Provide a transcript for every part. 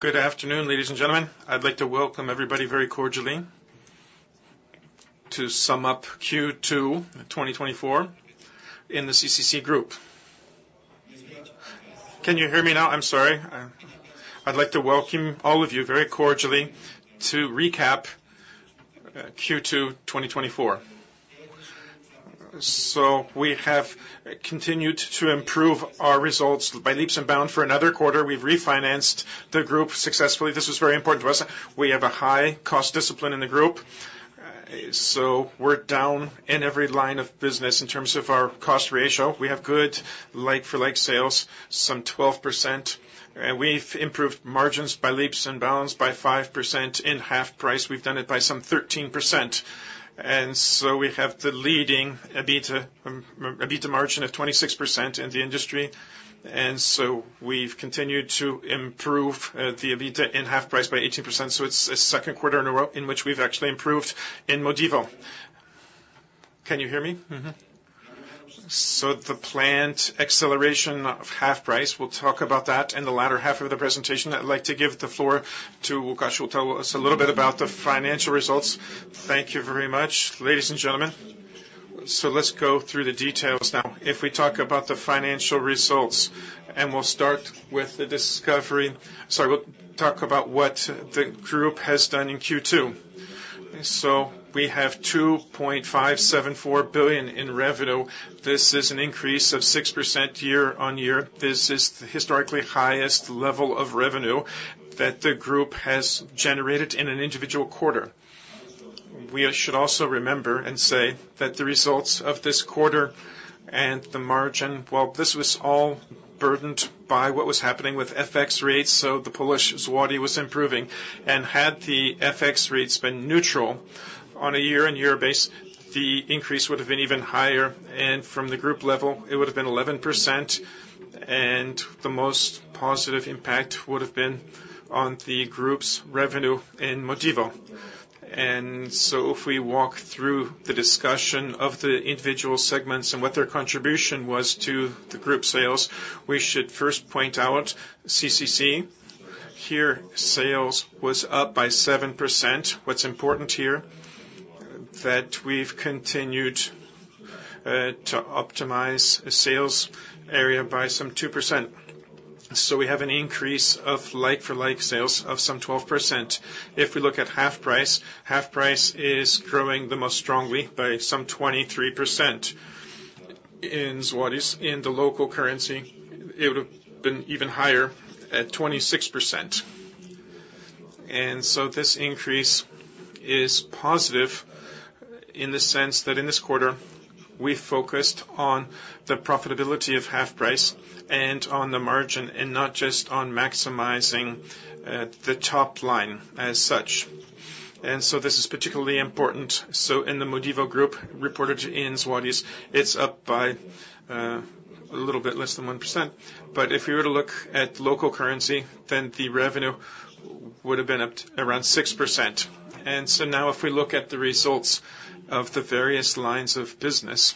Good afternoon, ladies and gentlemen. I'd like to welcome everybody very cordially. To sum up Q2 2024 in the CCC Group. Can you hear me now? I'm sorry. I'd like to welcome all of you very cordially to recap Q2 2024. So we have continued to improve our results by leaps and bounds for another quarter. We've refinanced the group successfully. This is very important to us. We have a high cost discipline in the group, so we're down in every line of business in terms of our cost ratio. We have good like-for-like sales, some 12%, and we've improved margins by leaps and bounds by 5%. In HalfPrice, we've done it by some 13%. And so we have the leading EBITDA margin of 26% in the industry, and so we've continued to improve the EBITDA in HalfPrice by 18%, so it's a second quarter in a row in which we've actually improved in Modivo. Can you hear me? Mm-hmm. So the planned acceleration of HalfPrice, we'll talk about that in the latter half of the presentation. I'd like to give the floor to Łukasz, who will tell us a little bit about the financial results. Thank you very much, ladies and gentlemen. So let's go through the details now. If we talk about the financial results, and we'll start with the discovery... Sorry, we'll talk about what the group has done in Q2. So we have 2.574 billion in revenue. This is an increase of 6% year-on-year. This is the historically highest level of revenue that the group has generated in an individual quarter. We should also remember and say that the results of this quarter and the margin, well, this was all burdened by what was happening with FX rates, so the Polish złoty was improving, and had the FX rates been neutral on a year-on-year basis, the increase would have been even higher, and from the group level, it would have been 11%, and the most positive impact would have been on the group's revenue in Modivo. And so if we walk through the discussion of the individual segments and what their contribution was to the group sales, we should first point out CCC. Here, sales was up by 7%. What's important here, that we've continued to optimize the sales area by some 2%. So we have an increase of like-for-like sales of some 12%. If we look at HalfPrice, HalfPrice is growing the most strongly by some 23%. In złoty, in the local currency, it would have been even higher at 26%. And so this increase is positive in the sense that in this quarter, we focused on the profitability of HalfPrice and on the margin, and not just on maximizing, the top line as such. And so this is particularly important. So in the Modivo Group, reported in złoty, it's up by, a little bit less than 1%. But if you were to look at local currency, then the revenue would have been up around 6%. And so now if we look at the results of the various lines of business,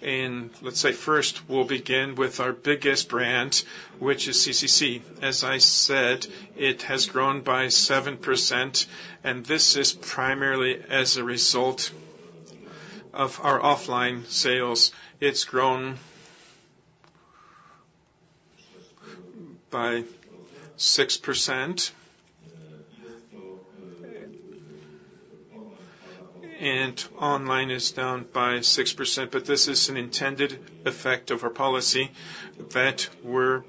and let's say first, we'll begin with our biggest brand, which is CCC. As I said, it has grown by 7%, and this is primarily as a result of our offline sales. It's grown by 6%. And online is down by 6%, but this is an intended effect of our policy that we're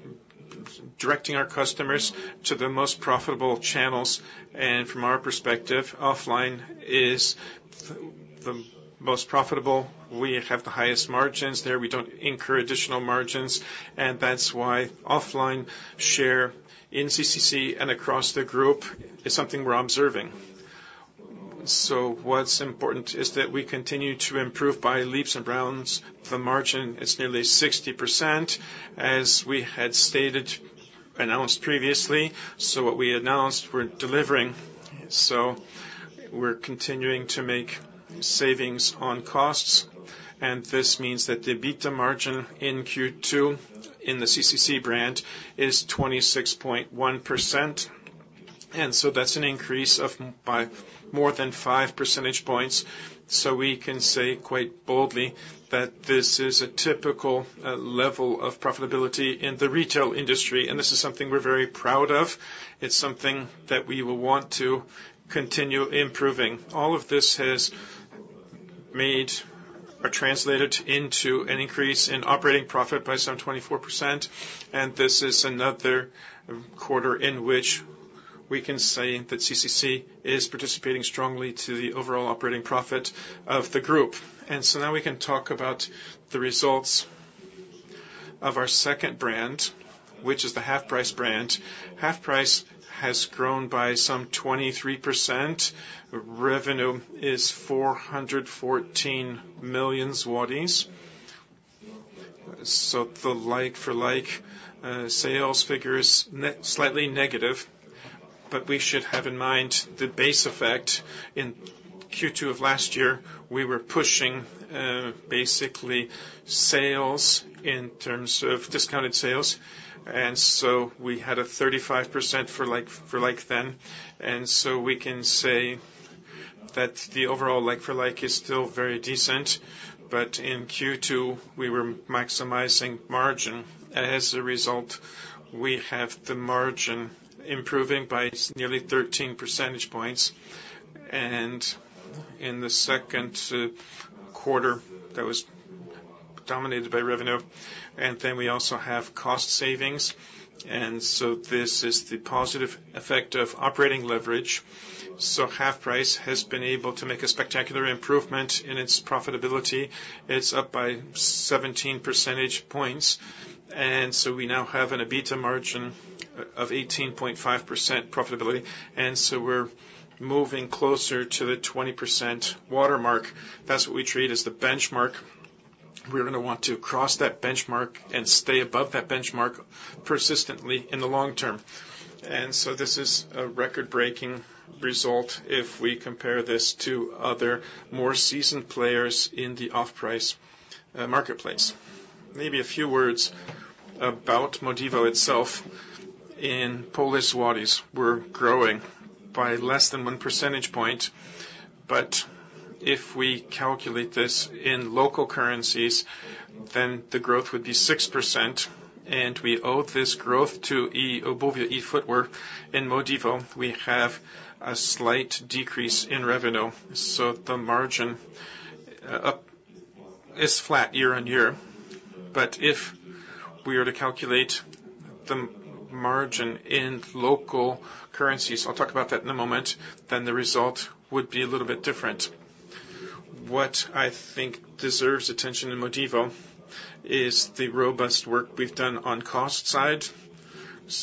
directing our customers to the most profitable channels, and from our perspective, offline is the most profitable. We have the highest margins there. We don't incur additional margins, and that's why offline share in CCC and across the group is something we're observing. So what's important is that we continue to improve by leaps and bounds. The margin is nearly 60%, as we had stated, announced previously. So what we announced, we're delivering. So we're continuing to make savings on costs, and this means that the EBITDA margin in Q2 in the CCC brand is 26.1%, and so that's an increase of by more than five percentage points. So we can say quite boldly that this is a typical level of profitability in the retail industry, and this is something we're very proud of. It's something that we will want to continue improving. All of this has made or translated into an increase in operating profit by some 24%, and this is another quarter in which we can say that CCC is participating strongly to the overall operating profit of the group. And so now we can talk about the results of our second brand, which is the HalfPrice brand. HalfPrice has grown by some 23%. Revenue is 414 million zlotys. So the like-for-like sales figure is slightly negative, but we should have in mind the base effect. In Q2 of last year, we were pushing basically sales in terms of discounted sales, and so we had a 35% for like-for-like then. And so we can say that the overall like-for-like is still very decent, but in Q2, we were maximizing margin. As a result, we have the margin improving by nearly 13 percentage points, and in the second quarter, that was dominated by revenue, and then we also have cost savings, and so this is the positive effect of operating leverage. So HalfPrice has been able to make a spectacular improvement in its profitability. It's up by 17 percentage points, and so we now have an EBITDA margin of 18.5% profitability, and so we're moving closer to the 20% watermark. That's what we treat as the benchmark. We're gonna want to cross that benchmark and stay above that benchmark persistently in the long term. And so this is a record-breaking result if we compare this to other, more seasoned players in the off-price marketplace. Maybe a few words about Modivo itself. In Polish zlotys, we're growing by less than 1 percentage point, but if we calculate this in local currencies, then the growth would be 6%, and we owe this growth to Eobuwie, e-footwear. In Modivo, we have a slight decrease in revenue, so the margin is flat year-on-year. If we were to calculate the margin in local currencies, I'll talk about that in a moment, then the result would be a little bit different. What I think deserves attention in Modivo is the robust work we've done on cost side.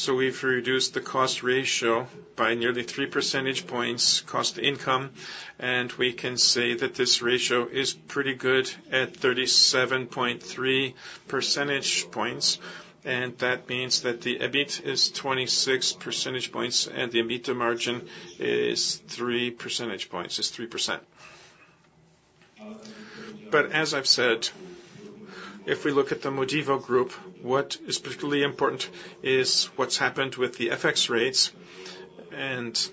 We've reduced the cost ratio by nearly 3 percentage points, cost to income, and we can say that this ratio is pretty good at 37.3 percentage points, and that means that the EBIT is 26 percentage points, and the EBITDA margin is 3 percentage points, is 3%. But as I've said, if we look at the Modivo group, what is particularly important is what's happened with the FX rates, and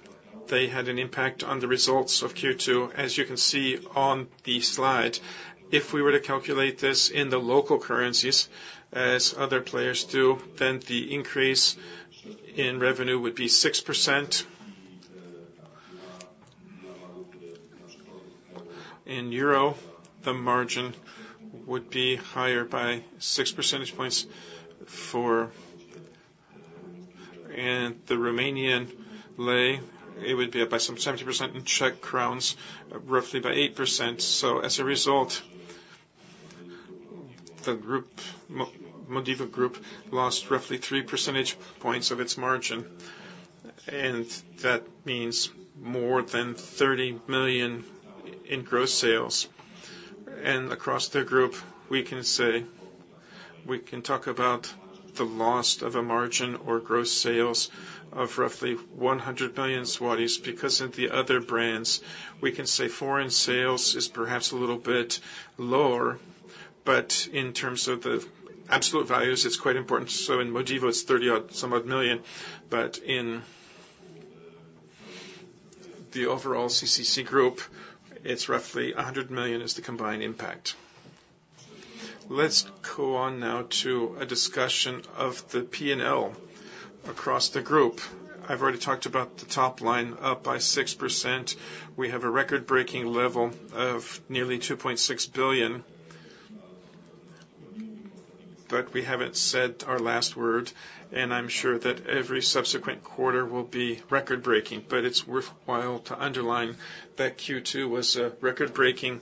they had an impact on the results of Q2. As you can see on the slide, if we were to calculate this in the local currencies, as other players do, then the increase in revenue would be 6%. In euro, the margin would be higher by 6 percentage points for... And the Romanian lei, it would be up by some 70% in Czech crowns, roughly by 8%. So as a result, the group, Modivo group, lost roughly 3 percentage points of its margin, and that means more than 30 million in gross sales. And across the group, we can say, we can talk about the loss of a margin or gross sales of roughly 100 million zlotys. Because of the other brands, we can say foreign sales is perhaps a little bit lower, but in terms of the absolute values, it's quite important. So in Modivo, it's 30-odd, somewhat million, but in the overall CCC Group, it's roughly 100 million is the combined impact. Let's go on now to a discussion of the P&L across the group. I've already talked about the top line, up by 6%. We have a record-breaking level of nearly PLN 2.6 billion, but we haven't said our last word, and I'm sure that every subsequent quarter will be record-breaking. But it's worthwhile to underline that Q2 was a record-breaking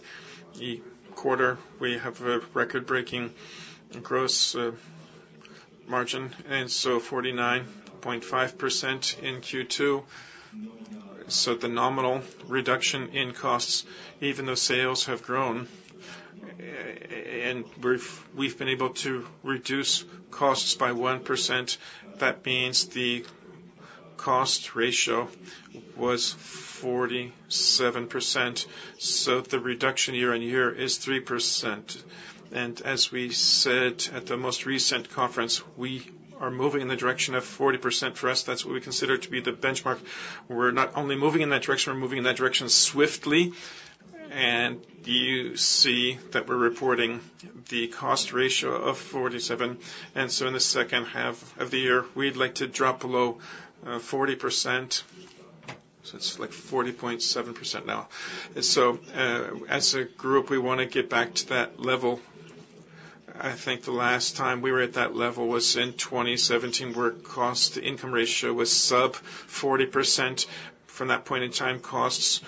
quarter. We have a record-breaking gross margin, and so 49.5% in Q2. So the nominal reduction in costs, even though sales have grown, and we've been able to reduce costs by 1%, that means the cost ratio was 47%. So the reduction year-on-year is 3%. As we said at the most recent conference, we are moving in the direction of 40%. For us, that's what we consider to be the benchmark. We're not only moving in that direction, we're moving in that direction swiftly. You see that we're reporting the cost ratio of 47, and so in the second half of the year, we'd like to drop below 40%. So it's like 40.7% now. So, as a group, we wanna get back to that level. I think the last time we were at that level was in 2017, where cost to income ratio was sub 40%. From that point in time, costs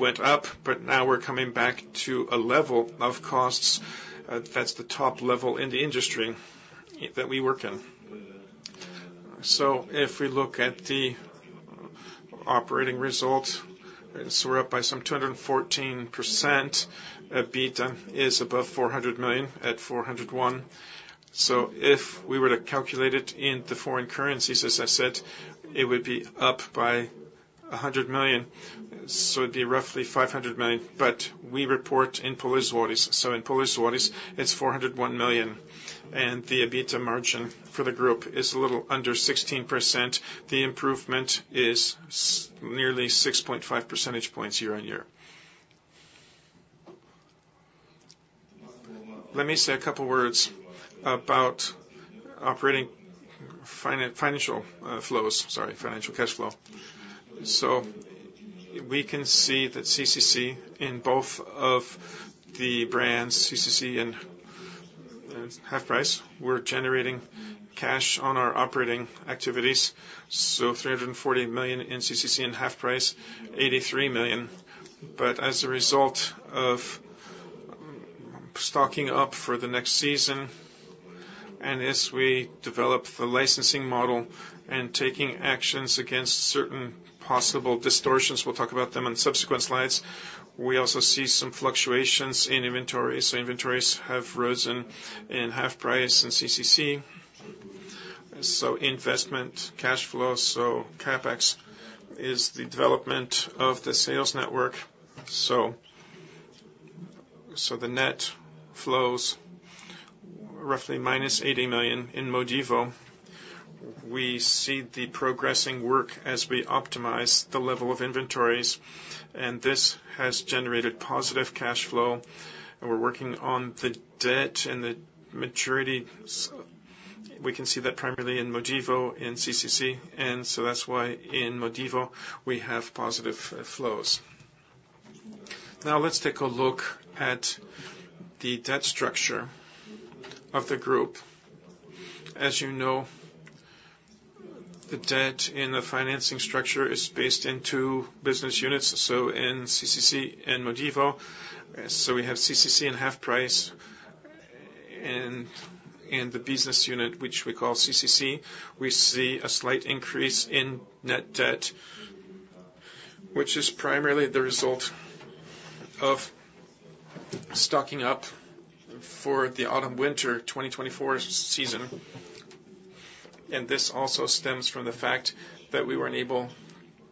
went up, but now we're coming back to a level of costs, that's the top level in the industry that we work in. So if we look at operating results. So we're up by some 214%. EBITDA is above 400 million, at 401 million. So if we were to calculate it into foreign currencies, as I said, it would be up by 100 million. So it'd be roughly 500 million, but we report in Polish złoty. So in Polish złoty, it's 401 million, and the EBITDA margin for the group is a little under 16%. The improvement is nearly 6.5 percentage points year-on-year. Let me say a couple words about operating financial, sorry, financial cash flow. So we can see that CCC, in both of the brands, CCC and HalfPrice, we're generating cash on our operating activities, so 340 million in CCC and HalfPrice, 83 million. But as a result of stocking up for the next season, and as we develop the licensing model and taking actions against certain possible distortions, we'll talk about them in subsequent slides, we also see some fluctuations in inventories. So inventories have risen in HalfPrice and CCC. So investment cash flow, so CapEx, is the development of the sales network. So the net flows roughly -80 million in Modivo. We see the progressing work as we optimize the level of inventories, and this has generated positive cash flow. We're working on the debt and the maturity, we can see that primarily in Modivo and CCC, and so that's why in Modivo, we have positive flows. Now, let's take a look at the debt structure of the group. As you know, the debt in the financing structure is based in two business units, so in CCC and Modivo. So we have CCC and HalfPrice. In the business unit, which we call CCC, we see a slight increase in net debt, which is primarily the result of stocking up for the autumn-winter 2024 season. And this also stems from the fact that we weren't able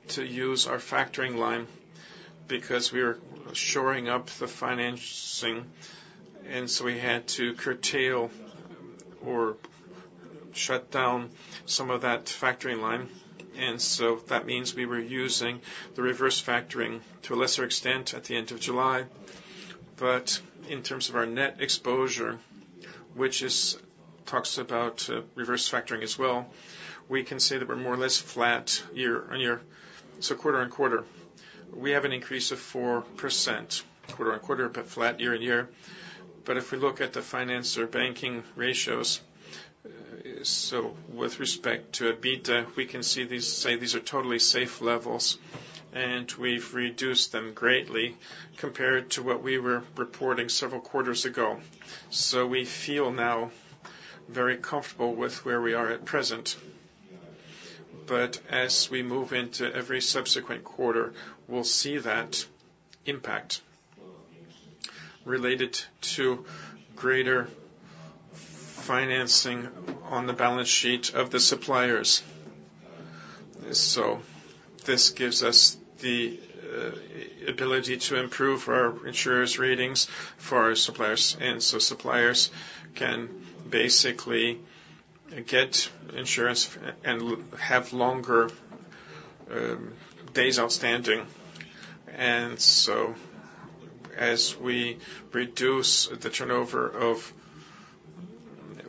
to use our factoring line because we were shoring up the financing, and so we had to curtail or shut down some of that factoring line. And so that means we were using the reverse factoring to a lesser extent at the end of July. But in terms of our net exposure, which talks about reverse factoring as well, we can say that we're more or less flat year-on-year. So quarter-on-quarter, we have an increase of 4% quarter-on-quarter, but flat year-on-year. But if we look at the financer banking ratios, so with respect to EBITDA, we can see these are totally safe levels, and we've reduced them greatly compared to what we were reporting several quarters ago. So we feel now very comfortable with where we are at present. But as we move into every subsequent quarter, we'll see that impact related to greater financing on the balance sheet of the suppliers. So this gives us the ability to improve our insurers' ratings for our suppliers, and so suppliers can basically get insurance and have longer days outstanding. And so as we reduce the turnover of...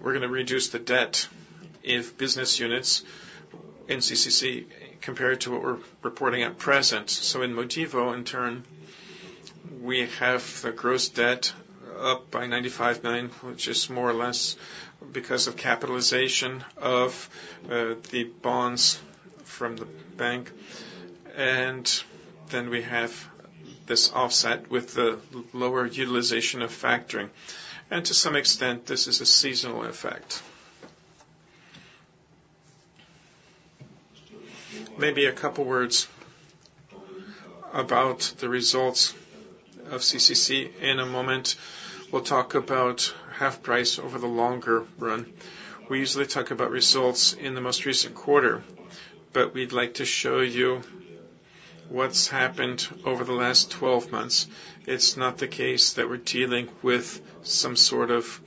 We're gonna reduce the debt in business units, in CCC, compared to what we're reporting at present. So in Modivo, in turn, we have the gross debt up by 95 million, which is more or less because of capitalization of the bonds from the bank. And then we have this offset with the lower utilization of factoring. And to some extent, this is a seasonal effect. Maybe a couple words about the results of CCC. In a moment, we'll talk about HalfPrice over the longer run. We usually talk about results in the most recent quarter, but we'd like to show you what's happened over the last twelve months. It's not the case that we're dealing with some sort of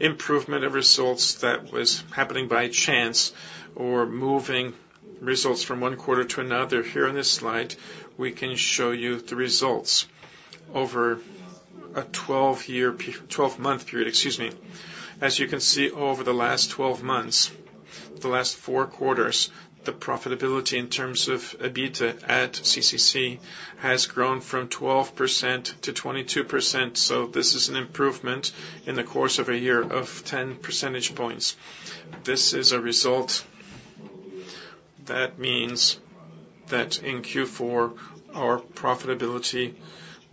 improvement of results that was happening by chance or moving results from one quarter to another. Here in this slide, we can show you the results over a twelve-month period, excuse me. As you can see, over the last 12 months, the last 4 quarters, the profitability in terms of EBITDA at CCC has grown from 12% to 22%. So this is an improvement in the course of a year of 10 percentage points. This is a result that means that in Q4, our profitability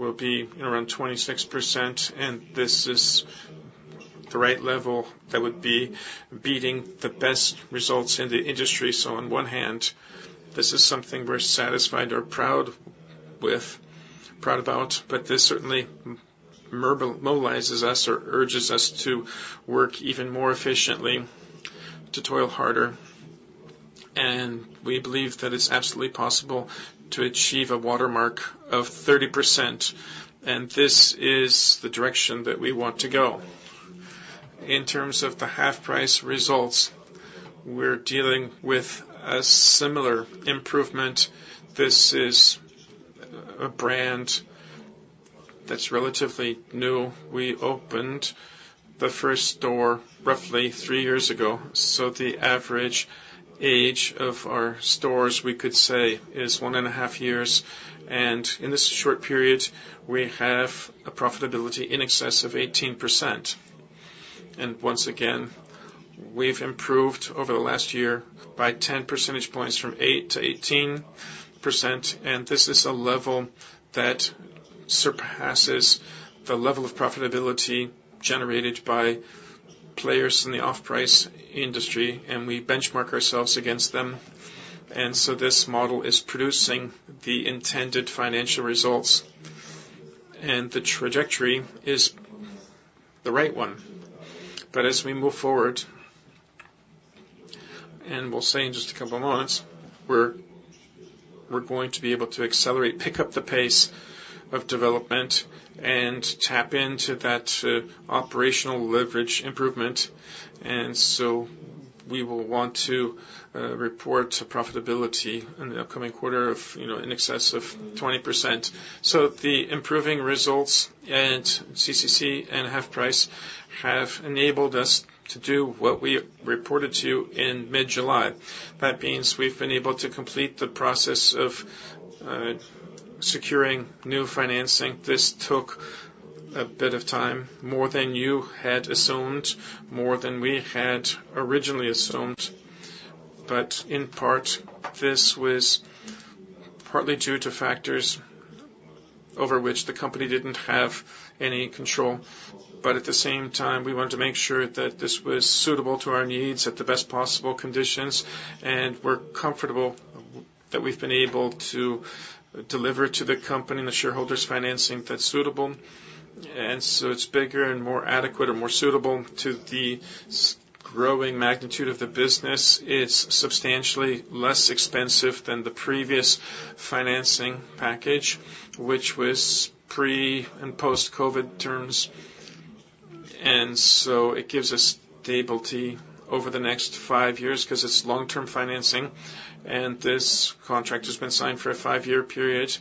will be around 26%, and this is the right level that would be beating the best results in the industry. So on one hand, this is something we're satisfied or proud with, proud about, but this certainly mobilizes us or urges us to work even more efficiently, to toil harder. And we believe that it's absolutely possible to achieve a watermark of 30%, and this is the direction that we want to go. In terms of the HalfPrice results, we're dealing with a similar improvement. This is a brand that's relatively new. We opened the first store roughly 3 years ago, so the average age of our stores, we could say, is 1.5 years. In this short period, we have a profitability in excess of 18%. Once again, we've improved over the last year by 10 percentage points from 8% to 18%, and this is a level that surpasses the level of profitability generated by players in the off-price industry, and we benchmark ourselves against them. So this model is producing the intended financial results, and the trajectory is the right one. But as we move forward, and we'll say in just a couple of months, we're going to be able to accelerate, pick up the pace of development and tap into that operational leverage improvement. And so we will want to report profitability in the upcoming quarter of, you know, in excess of 20%. So the improving results at CCC and HalfPrice have enabled us to do what we reported to you in mid-July. That means we've been able to complete the process of securing new financing. This took a bit of time, more than you had assumed, more than we had originally assumed. But in part, this was partly due to factors over which the company didn't have any control. But at the same time, we wanted to make sure that this was suitable to our needs at the best possible conditions, and we're comfortable that we've been able to deliver to the company and the shareholders financing that's suitable. And so it's bigger and more adequate or more suitable to the growing magnitude of the business. It's substantially less expensive than the previous financing package, which was pre- and post-COVID terms. It gives us stability over the next five years because it's long-term financing, and this contract has been signed for a five-year period,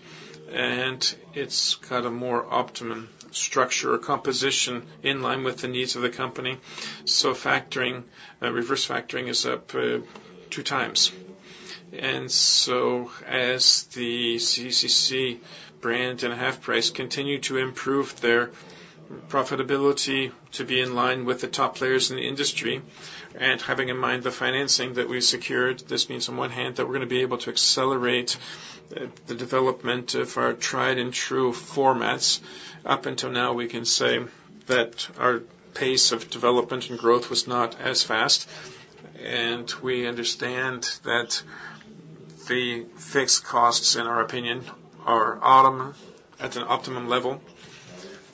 and it's got a more optimum structure or composition in line with the needs of the company. Factoring, reverse factoring is up two times. As the CCC brand and HalfPrice continue to improve their profitability to be in line with the top players in the industry, and having in mind the financing that we secured, this means on one hand, that we're going to be able to accelerate the development of our tried and true formats. Up until now, we can say that our pace of development and growth was not as fast, and we understand that the fixed costs, in our opinion, are optimum, at an optimum level.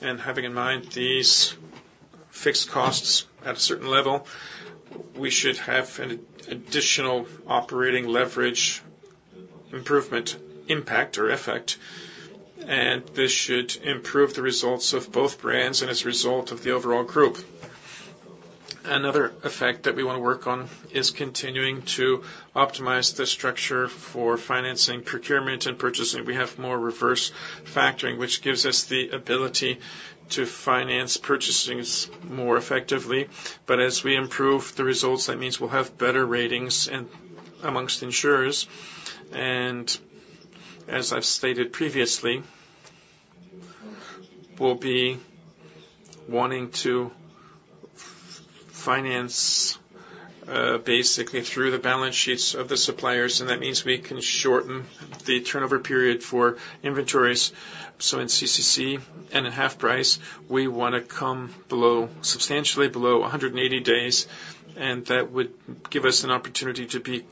And having in mind these fixed costs at a certain level, we should have an additional operating leverage, improvement, impact, or effect. And this should improve the results of both brands and as a result of the overall group. Another effect that we want to work on is continuing to optimize the structure for financing, procurement, and purchasing. We have more reverse factoring, which gives us the ability to finance purchasings more effectively. But as we improve the results, that means we'll have better ratings and amongst insurers. As I've stated previously, we'll be wanting to finance, basically through the balance sheets of the suppliers, and that means we can shorten the turnover period for inventories. So in CCC and in HalfPrice, we want to come below, substantially below 180 days, and that would give us an opportunity to be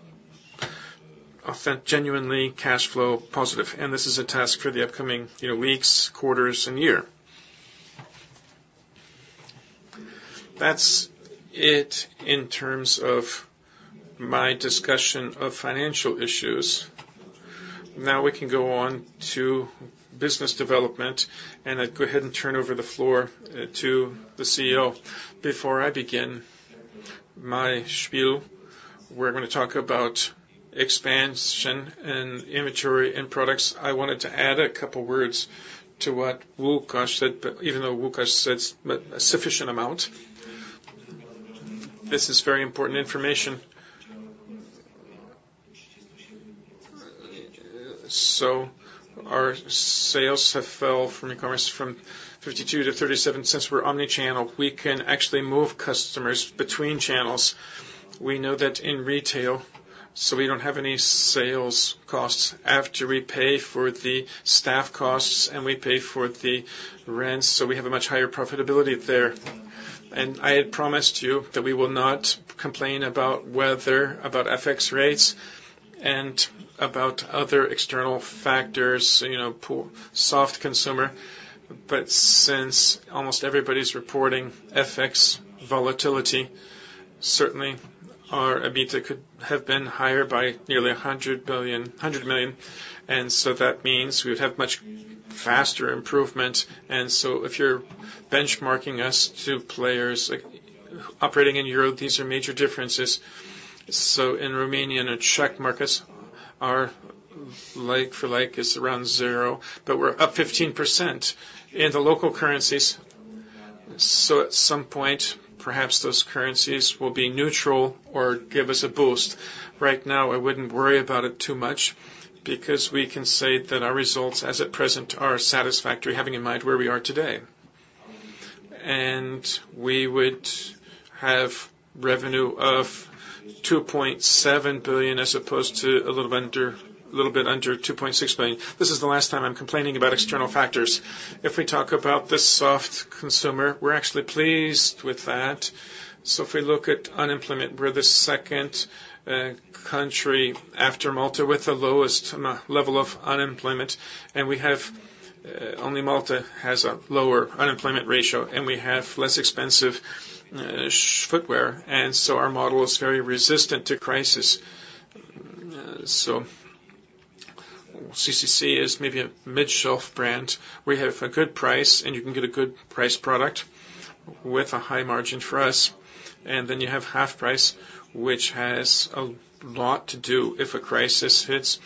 that genuinely cash flow positive. And this is a task for the upcoming, you know, weeks, quarters, and year. That's it in terms of my discussion of financial issues. Now we can go on to business development, and I'd go ahead and turn over the floor to the CEO. Before I begin my spiel, we're going to talk about expansion and inventory and products. I wanted to add a couple words to what Łukasz said, but even though Łukasz said a sufficient amount, this is very important information. So our sales have fell from e-commerce from 52 to 37. Since we're omni-channel, we can actually move customers between channels. We know that in retail, so we don't have any sales costs after we pay for the staff costs, and we pay for the rent, so we have a much higher profitability there. And I had promised you that we will not complain about weather, about FX rates, and about other external factors, you know, poor, soft consumer. But since almost everybody's reporting FX volatility, certainly our EBITDA could have been higher by nearly 100 million, and so that means we would have much faster improvement. And so if you're benchmarking us to players operating in Europe, these are major differences. So in Romanian and Czech markets, our like-for-like is around 0, but we're up 15% in the local currencies. So at some point, perhaps those currencies will be neutral or give us a boost. Right now, I wouldn't worry about it too much because we can say that our results, as at present, are satisfactory, having in mind where we are today. And we would have revenue of 2.7 billion as opposed to a little under, a little bit under 2.6 billion. This is the last time I'm complaining about external factors. If we talk about the soft consumer, we're actually pleased with that. So if we look at unemployment, we're the second country after Malta, with the lowest level of unemployment, and we have only Malta has a lower unemployment ratio, and we have less expensive footwear, and so our model is very resistant to crisis. So CCC is maybe a mid-shelf brand. We have a good price, and you can get a good price product with a high margin for us. And then you have HalfPrice, which has a lot to do if a crisis hits.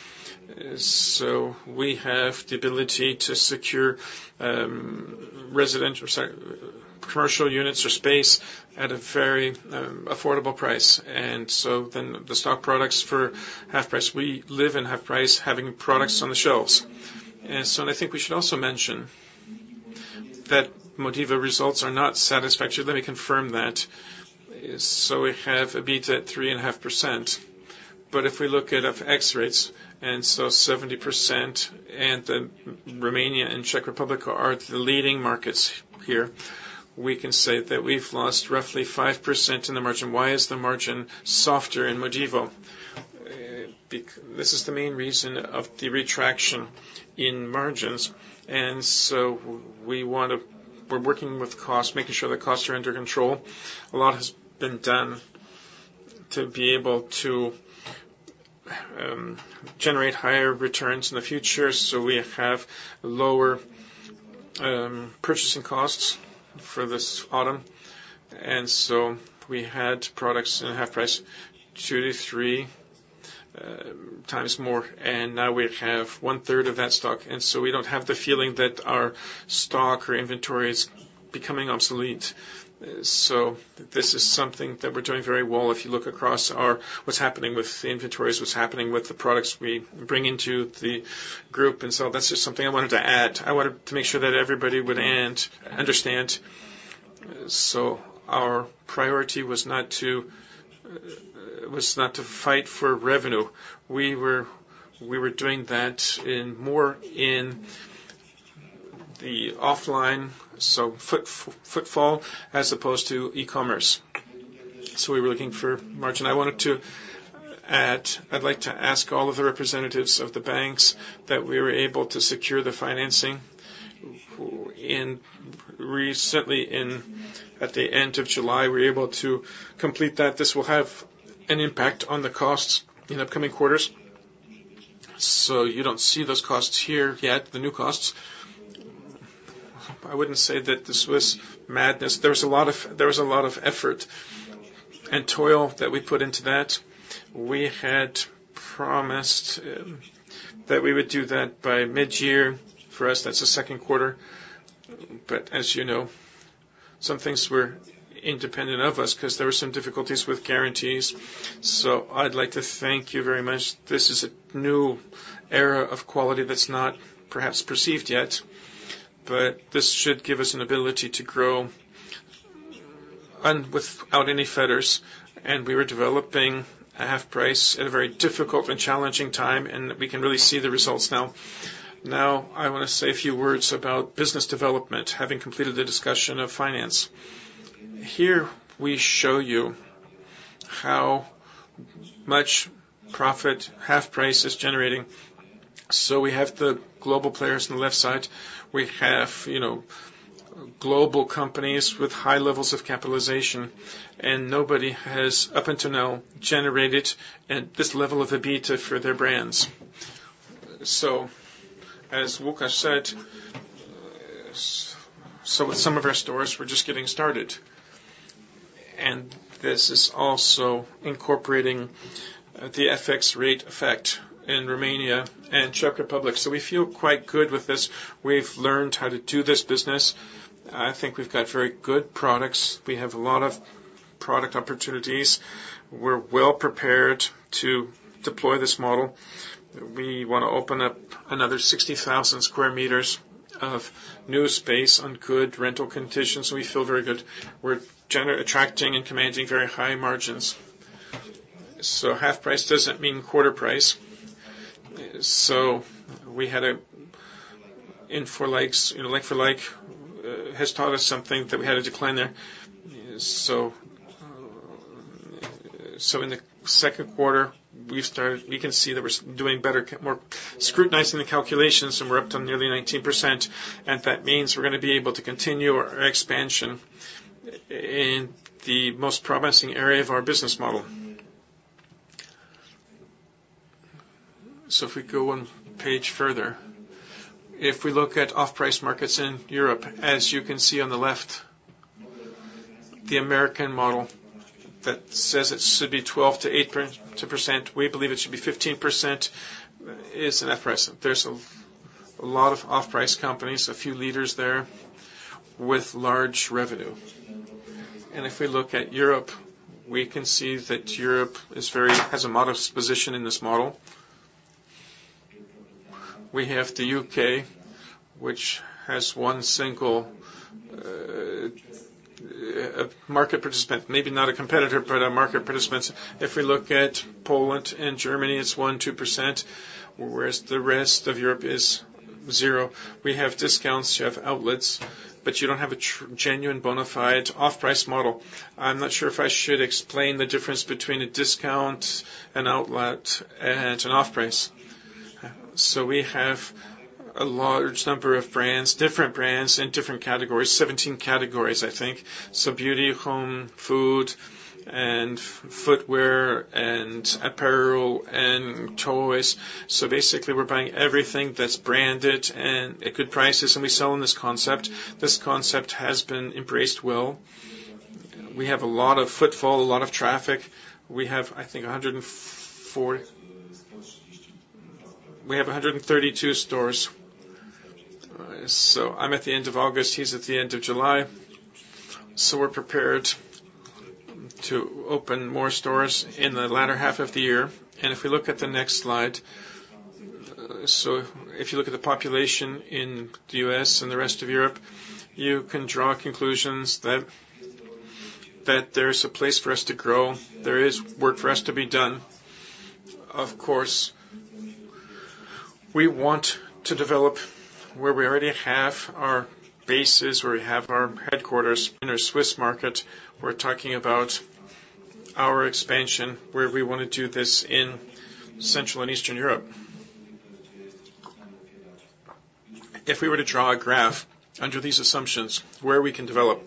So we have the ability to secure, sorry, commercial units or space at a very affordable price. And so then the stock products for HalfPrice, we live in HalfPrice, having products on the shelves. And so I think we should also mention that Modivo results are not satisfactory. Let me confirm that. So we have EBITDA at 3.5%. But if we look at FX rates, and so 70%, and then Romania and Czech Republic are the leading markets here, we can say that we've lost roughly 5% in the margin. Why is the margin softer in Modivo? This is the main reason of the retraction in margins, and so we want to... We're working with costs, making sure the costs are under control. A lot has been done to be able to generate higher returns in the future, so we have lower purchasing costs for this autumn. And so we had products in half price, 2-3 times more, and now we have one-third of that stock. And so we don't have the feeling that our stock or inventory is becoming obsolete. So this is something that we're doing very well. If you look across our, what's happening with the inventories, what's happening with the products we bring into the group, and so that's just something I wanted to add. I wanted to make sure that everybody would understand. So our priority was not to fight for revenue. We were doing that more in the offline, so footfall as opposed to e-commerce. So we were looking for margin. I wanted to add, I'd like to ask all of the representatives of the banks that we were able to secure the financing recently, at the end of July, we were able to complete that. This will have an impact on the costs in upcoming quarters. So you don't see those costs here yet, the new costs. I wouldn't say that this was madness. There was a lot of effort and toil that we put into that. We had promised that we would do that by mid-year. For us, that's the second quarter, but as you know, some things were independent of us because there were some difficulties with guarantees. So I'd like to thank you very much. This is a new era of quality that's not perhaps perceived yet, but this should give us an ability to grow without any fetters. And we were developing a HalfPrice at a very difficult and challenging time, and we can really see the results now. Now, I want to say a few words about business development, having completed the discussion of finance. Here, we show you how much profit HalfPrice is generating. So we have the global players on the left side. We have, you know, global companies with high levels of capitalization, and nobody has, up until now, generated at this level of EBITDA for their brands. So, as Łukasz said, with some of our stores, we're just getting started. And this is also incorporating the FX rate effect in Romania and Czech Republic. So we feel quite good with this. We've learned how to do this business. I think we've got very good products. We have a lot of product opportunities. We're well prepared to deploy this model. We want to open up another 60,000 square meters of new space on good rental conditions, so we feel very good. We're generating attracting and commanding very high margins. So half price doesn't mean quarter price. So we had an LFL, you know, like-for-like, has taught us something that we had a decline there. So in the second quarter, we started, we can see that we're doing better, more scrutinizing the calculations, and we're up to nearly 19%, and that means we're going to be able to continue our expansion in the most promising area of our business model. So if we go one page further, if we look at off-price markets in Europe, as you can see on the left, the American model that says it should be 12-18%, we believe it should be 15%, is off-price. There's a lot of off-price companies, a few leaders there, with large revenue. And if we look at Europe, we can see that Europe is very, has a modest position in this model. We have the U.K., which has one single, a market participant, maybe not a competitor, but a market participant. If we look at Poland and Germany, it's 1-2%, whereas the rest of Europe is 0%. We have discounts, you have outlets, but you don't have a genuine, bona fide off-price model. I'm not sure if I should explain the difference between a discount, an outlet, and an off-price. So we have a large number of brands, different brands in different categories, 17 categories, I think. So beauty, home, food, and footwear, and apparel, and toys. So basically, we're buying everything that's branded and at good prices, and we sell in this concept. This concept has been embraced well. We have a lot of footfall, a lot of traffic. We have, I think, 104... We have 132 stores. So I'm at the end of August, he's at the end of July, so we're prepared to open more stores in the latter half of the year. If we look at the next slide, so if you look at the population in the U.S. and the rest of Europe, you can draw conclusions that there is a place for us to grow, there is work for us to be done. Of course, we want to develop where we already have our bases, where we have our headquarters in our Swiss market. We're talking about our expansion, where we want to do this in Central and Eastern Europe. If we were to draw a graph under these assumptions, where we can develop,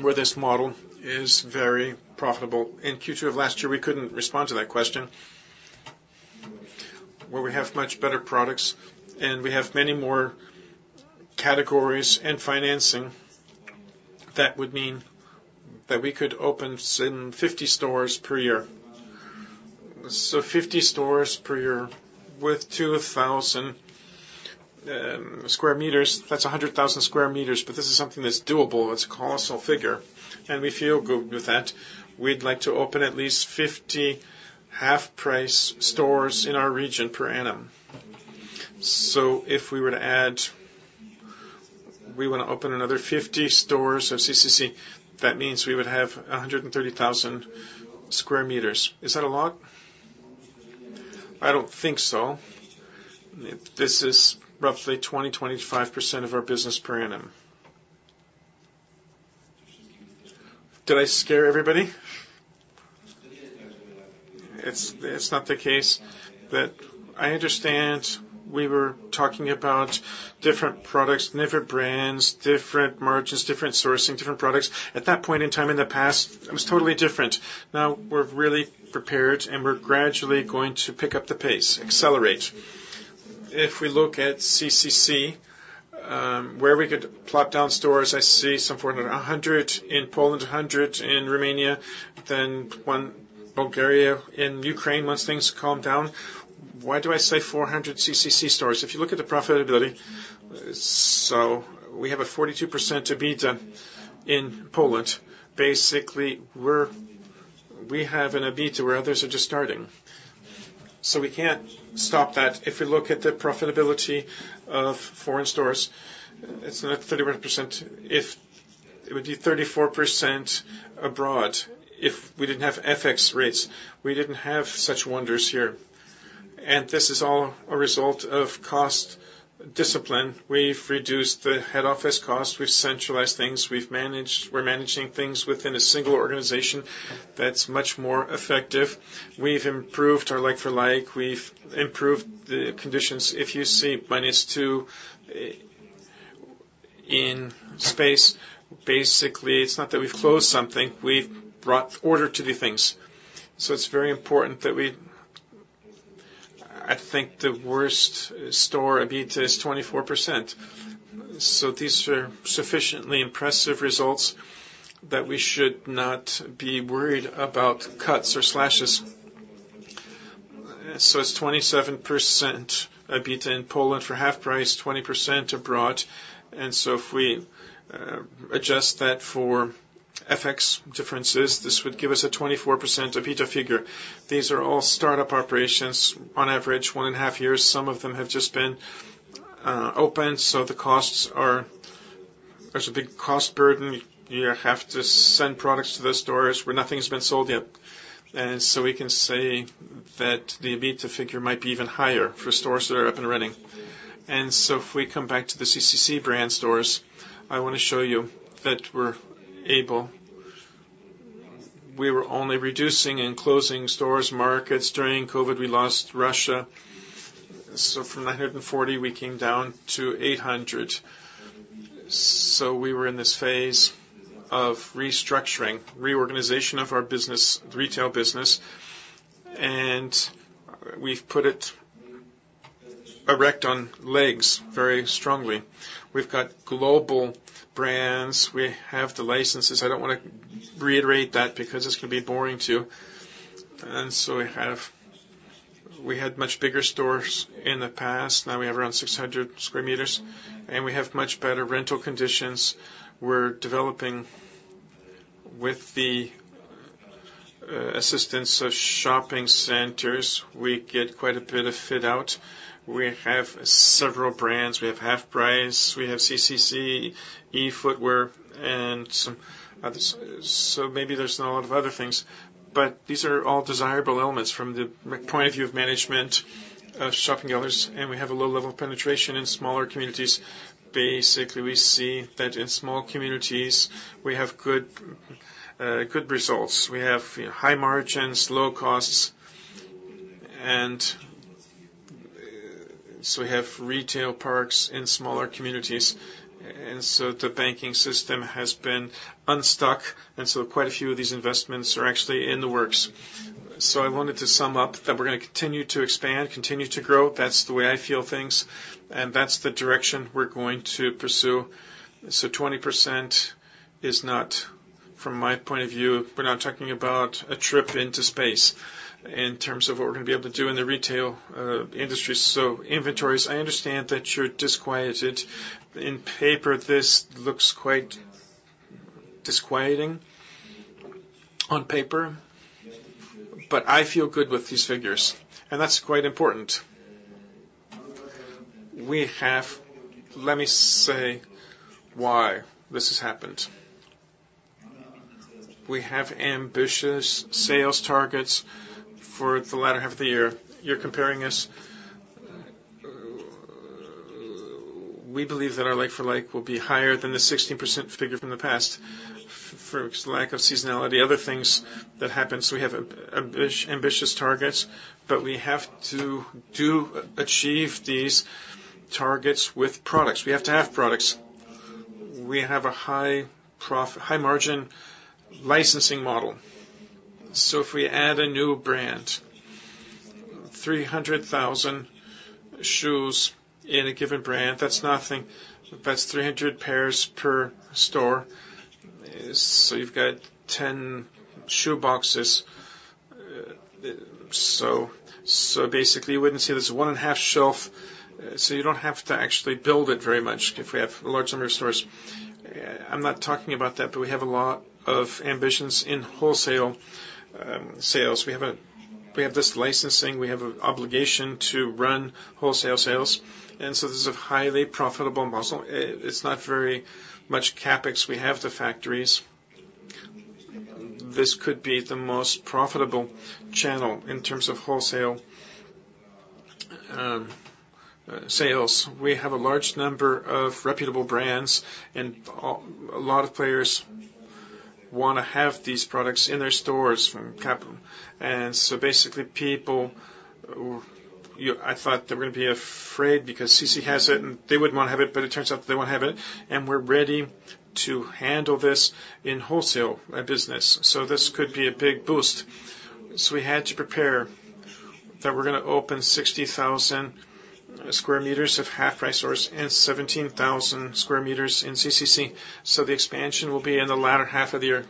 where this model is very profitable. In Q2 of last year, we couldn't respond to that question. Where we have much better products, and we have many more categories and financing, that would mean that we could open certain 50 stores per year. So 50 stores per year with 2000 square meters, that's 100,000 square meters, but this is something that's doable. It's a colossal figure, and we feel good with that. We'd like to open at least 50 HalfPrice stores in our region per annum. So if we were to add, we want to open another 50 stores of CCC, that means we would have 130,000 square meters. Is that a lot? I don't think so. This is roughly 20-25% of our business per annum. Did I scare everybody? It's not the case, but I understand we were talking about different products, different brands, different margins, different sourcing, different products. At that point in time in the past, it was totally different. Now, we're really prepared, and we're gradually going to pick up the pace, accelerate. If we look at CCC, where we could plop down stores, I see some 400, 100 in Poland, 100 in Romania, then one Bulgaria, in Ukraine, once things calm down. Why do I say 400 CCC stores? If you look at the profitability, so we have a 42% EBITDA in Poland. Basically, we have an EBITDA, where others are just starting. So we can't stop that. If we look at the profitability of foreign stores, it's another 31%. If it would be 34% abroad, if we didn't have FX rates, we didn't have such wonders here. And this is all a result of cost discipline. We've reduced the head office cost, we've centralized things, we've managed. We're managing things within a single organization that's much more effective. We've improved our like for like, we've improved the conditions. If you see minus two in space, basically, it's not that we've closed something, we've brought order to the things. So it's very important that we. I think the worst store, EBITDA, is 24%. So these are sufficiently impressive results that we should not be worried about cuts or slashes. So it's 27% EBITDA in Poland for half price, 20% abroad. And so if we adjust that for FX differences, this would give us a 24% EBITDA figure. These are all startup operations, on average, one and a half years. Some of them have just been open, so the costs are. There's a big cost burden. You have to send products to the stores where nothing has been sold yet. And so we can say that the EBITDA figure might be even higher for stores that are up and running. And so if we come back to the CCC brand stores, I want to show you that we're able—we were only reducing and closing stores, markets. During COVID, we lost Russia, so from 940, we came down to 800. So we were in this phase of restructuring, reorganization of our business, retail business, and we've put it erect on legs very strongly. We've got global brands, we have the licenses. I don't want to reiterate that because it's going to be boring, too. And so we have—we had much bigger stores in the past. Now we have around 600 square meters, and we have much better rental conditions. We're developing with the assistance of shopping centers. We get quite a bit of fit out. We have several brands. We have HalfPrice, we have CCC, eobuwie, and some others. So maybe there's not a lot of other things, but these are all desirable elements from the point of view of management of shopping centers, and we have a low level of penetration in smaller communities. Basically, we see that in small communities, we have good, good results. We have high margins, low costs, and so we have retail parks in smaller communities. And so the banking system has been unstuck, and so quite a few of these investments are actually in the works. So I wanted to sum up that we're going to continue to expand, continue to grow. That's the way I feel things, and that's the direction we're going to pursue. So 20% is not, from my point of view, we're not talking about a trip into space in terms of what we're going to be able to do in the retail industry. So inventories, I understand that you're disquieted. On paper, this looks quite disquieting on paper, but I feel good with these figures, and that's quite important. We have. Let me say why this has happened. We have ambitious sales targets for the latter half of the year. You're comparing us. We believe that our like-for-like will be higher than the 16% figure from the past, for lack of seasonality, other things that happens, we have ambitious targets, but we have to do, achieve these targets with products. We have to have products. We have a high-margin licensing model. So if we add a new brand, 300,000 shoes in a given brand, that's nothing. That's 300 pairs per store. So you've got 10 shoe boxes. So basically, you wouldn't say there's one-and-a-half shelf, so you don't have to actually build it very much if we have a large number of stores. I'm not talking about that, but we have a lot of ambitions in wholesale sales. We have this licensing. We have an obligation to run wholesale sales, and so this is a highly profitable model. It's not very much CapEx. We have the factories. This could be the most profitable channel in terms of wholesale sales. We have a large number of reputable brands, and a lot of players want to have these products in their stores from capital. And so basically, people—I thought they were going to be afraid because CCC has it, and they wouldn't want to have it, but it turns out they want to have it, and we're ready to handle this in wholesale business. So this could be a big boost. So we had to prepare that we're going to open 60,000 sq m of HalfPrice stores and 17,000 sq m in CCC. So the expansion will be in the latter half of the year,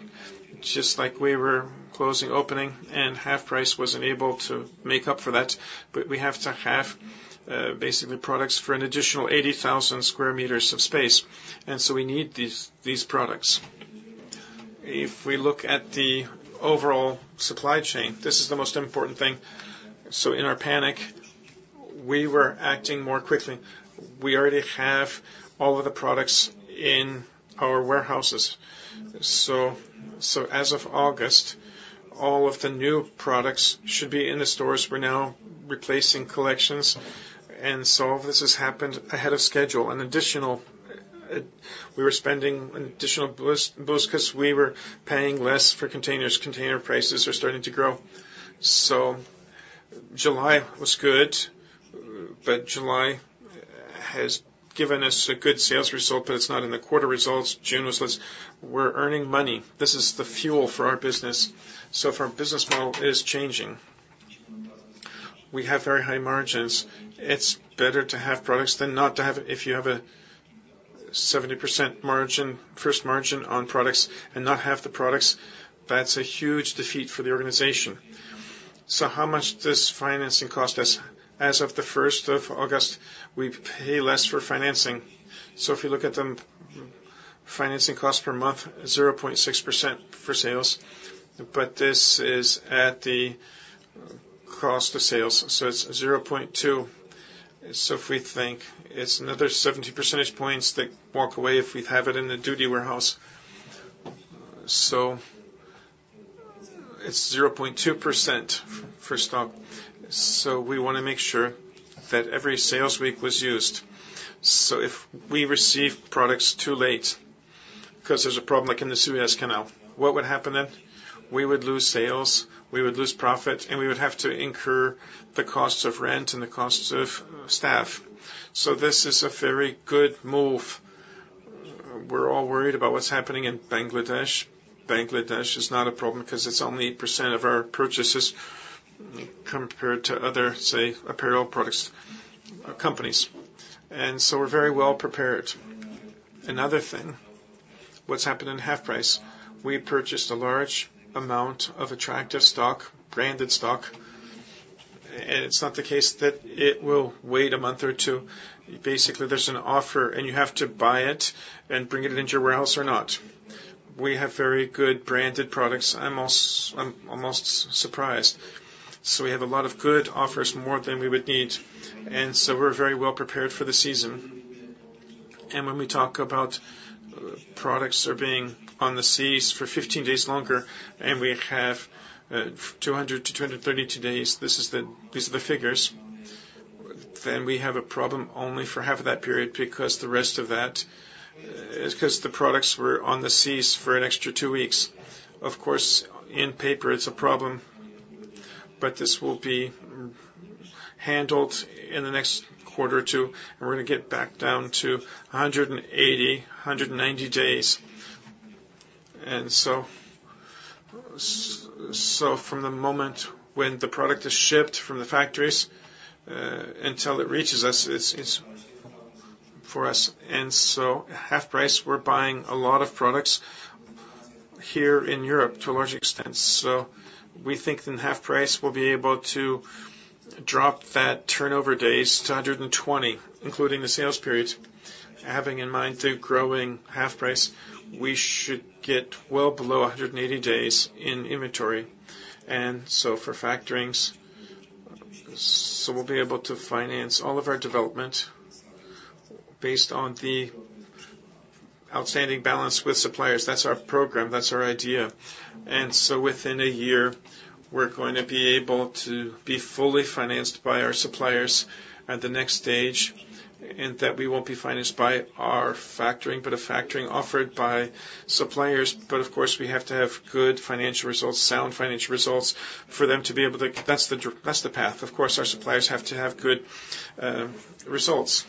just like we were closing, opening, and HalfPrice wasn't able to make up for that. But we have to have basically products for an additional 80,000 square meters of space, and so we need these products. If we look at the overall supply chain, this is the most important thing. So in our panic, we were acting more quickly. We already have all of the products in our warehouses. So as of August, all of the new products should be in the stores. We're now replacing collections, and so all this has happened ahead of schedule. An additional, we were spending an additional boost because we were paying less for containers. Container prices are starting to grow. So July was good, but July has given us a good sales result, but it's not in the quarter results. June was less. We're earning money. This is the fuel for our business, so our business model is changing. We have very high margins. It's better to have products than not to have it. If you have a 70% margin, first margin on products and not have the products, that's a huge defeat for the organization. So how much this financing cost us? As of the first of August, we pay less for financing. So if you look at the financing cost per month, 0.6% for sales, but this is at the cost of sales, so it's 0.2. So if we think it's another 70 percentage points that walk away, if we have it in the duty warehouse. So it's 0.2% for stock. So we want to make sure that every sales week was used. So if we receive products too late, 'cause there's a problem, like in the Suez Canal, what would happen then? We would lose sales, we would lose profit, and we would have to incur the costs of rent and the costs of staff. So this is a very good move. We're all worried about what's happening in Bangladesh. Bangladesh is not a problem because it's only 8% of our purchases compared to other, say, apparel products, companies. And so we're very well prepared. Another thing, what's happened in HalfPrice, we purchased a large amount of attractive stock, branded stock, and it's not the case that it will wait a month or two. Basically, there's an offer, and you have to buy it and bring it into your warehouse or not. We have very good branded products. I'm almost surprised. So we have a lot of good offers, more than we would need, and so we're very well prepared for the season. And when we talk about products are being on the seas for 15 days longer, and we have 200-230 days, these are the figures, then we have a problem only for half of that period, because the rest of that, because the products were on the seas for an extra 2 weeks. Of course, on paper, it's a problem, but this will be handled in the next quarter or two, and we're going to get back down to 180-190 days. And so, so from the moment when the product is shipped from the factories, until it reaches us, it's for us. And so HalfPrice, we're buying a lot of products here in Europe to a large extent. So we think in HalfPrice, we'll be able to drop that turnover days to 120, including the sales periods. Having in mind the growing HalfPrice, we should get well below 180 days in inventory. And so for factoring, so we'll be able to finance all of our development based on the outstanding balance with suppliers. That's our program, that's our idea. And so, within a year, we're going to be able to be fully financed by our suppliers at the next stage, and that we won't be financed by our factoring, but a factoring offered by suppliers. But of course, we have to have good financial results, sound financial results for them to be able to-- that's the path. Of course, our suppliers have to have good results.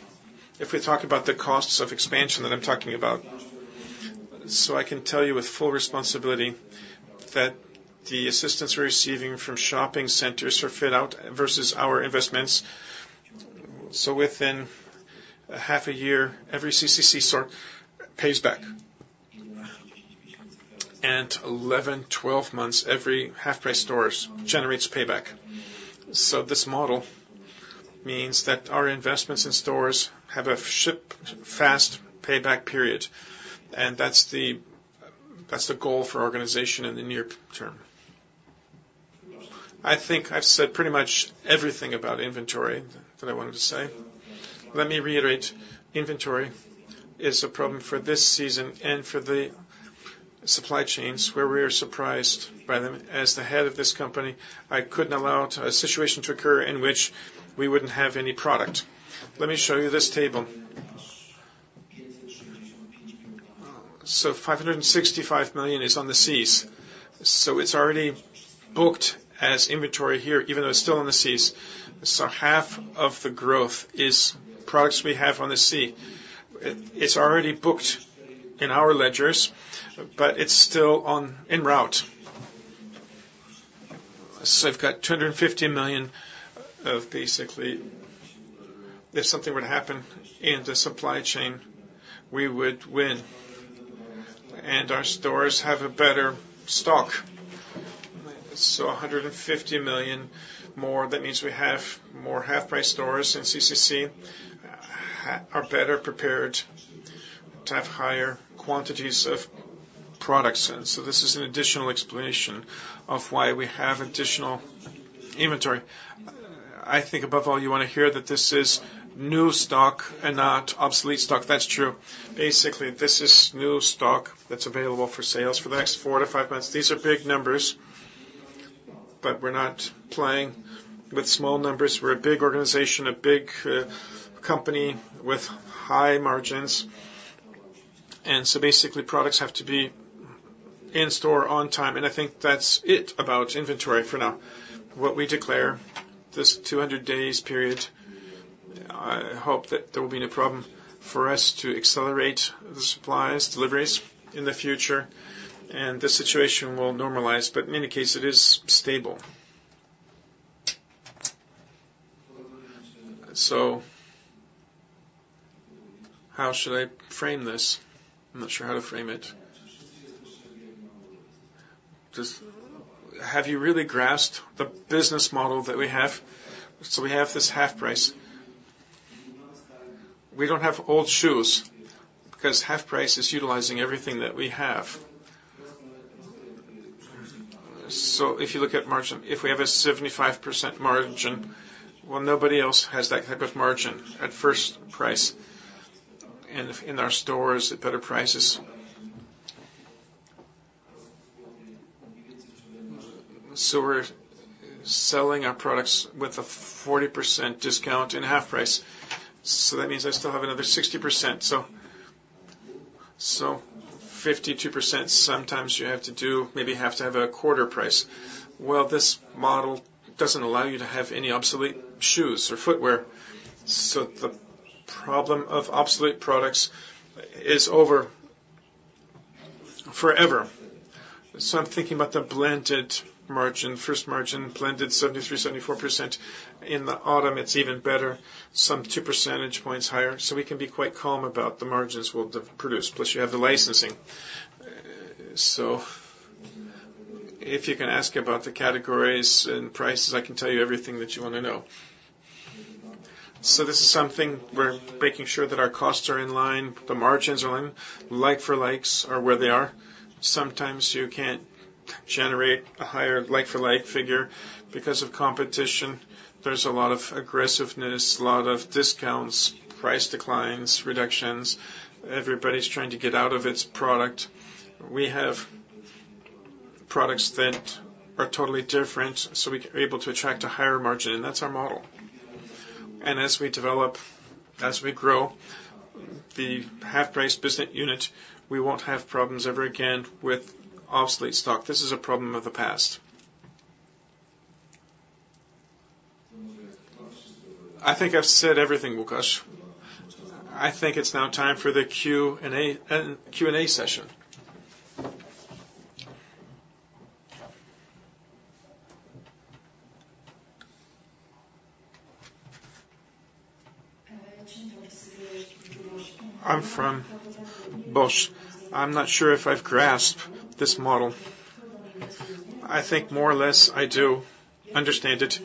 If we talk about the costs of expansion that I'm talking about. So I can tell you with full responsibility that the assistance we're receiving from shopping centers for fit out versus our investments, so within a half a year, every CCC store pays back. And 11, 12 months, every HalfPrice store generates payback. So this model means that our investments in stores have a super-fast payback period, and that's the, that's the goal for our organization in the near term. I think I've said pretty much everything about inventory that I wanted to say. Let me reiterate, inventory is a problem for this season and for the supply chains, where we are surprised by them. As the head of this company, I couldn't allow a situation to occur in which we wouldn't have any product. Let me show you this table. 565 million is on the seas. It's already booked as inventory here, even though it's still on the seas. Half of the growth is products we have on the sea. It's already booked in our ledgers, but it's still en route. I've got 250 million of basically, if something were to happen in the supply chain, we would win, and our stores have a better stock. 150 million more. That means we have more HalfPrice stores, and CCC are better prepared to have higher quantities of products. And so this is an additional explanation of why we have additional inventory. I think above all, you want to hear that this is new stock and not obsolete stock. That's true. Basically, this is new stock that's available for sales for the next four to five months. These are big numbers, but we're not playing with small numbers. We're a big organization, a big company with high margins. So basically, products have to be in store on time, and I think that's it about inventory for now. What we declare, this 200 days period, I hope that there will be no problem for us to accelerate the supplies, deliveries in the future, and the situation will normalize, but in any case, it is stable. So how should I frame this? I'm not sure how to frame it. Just... Have you really grasped the business model that we have? So we have this HalfPrice-... we don't have old shoes, because HalfPrice is utilizing everything that we have. So if you look at margin, if we have a 75% margin, well, nobody else has that type of margin at first price and in our stores at better prices. So we're selling our products with a 40% discount in HalfPrice. So that means I still have another 60%. So, so 52%, sometimes you have to do, maybe have to have a quarter price. Well, this model doesn't allow you to have any obsolete shoes or footwear, so the problem of obsolete products is over forever. So I'm thinking about the blended margin, first margin, blended 73%-74%. In the autumn, it's even better, some two percentage points higher, so we can be quite calm about the margins we'll produce, plus you have the licensing. So if you can ask about the categories and prices, I can tell you everything that you want to know. So this is something we're making sure that our costs are in line, the margins are in. Like for likes are where they are. Sometimes you can't generate a higher like for like figure because of competition. There's a lot of aggressiveness, a lot of discounts, price declines, reductions. Everybody's trying to get out of its product. We have products that are totally different, so we are able to attract a higher margin, and that's our model. And as we develop, as we grow, the HalfPrice business unit, we won't have problems ever again with obsolete stock. This is a problem of the past. I think I've said everything, Łukasz. I think it's now time for the Q&A, Q&A session. I'm from Bosch. I'm not sure if I've grasped this model. I think more or less, I do understand it.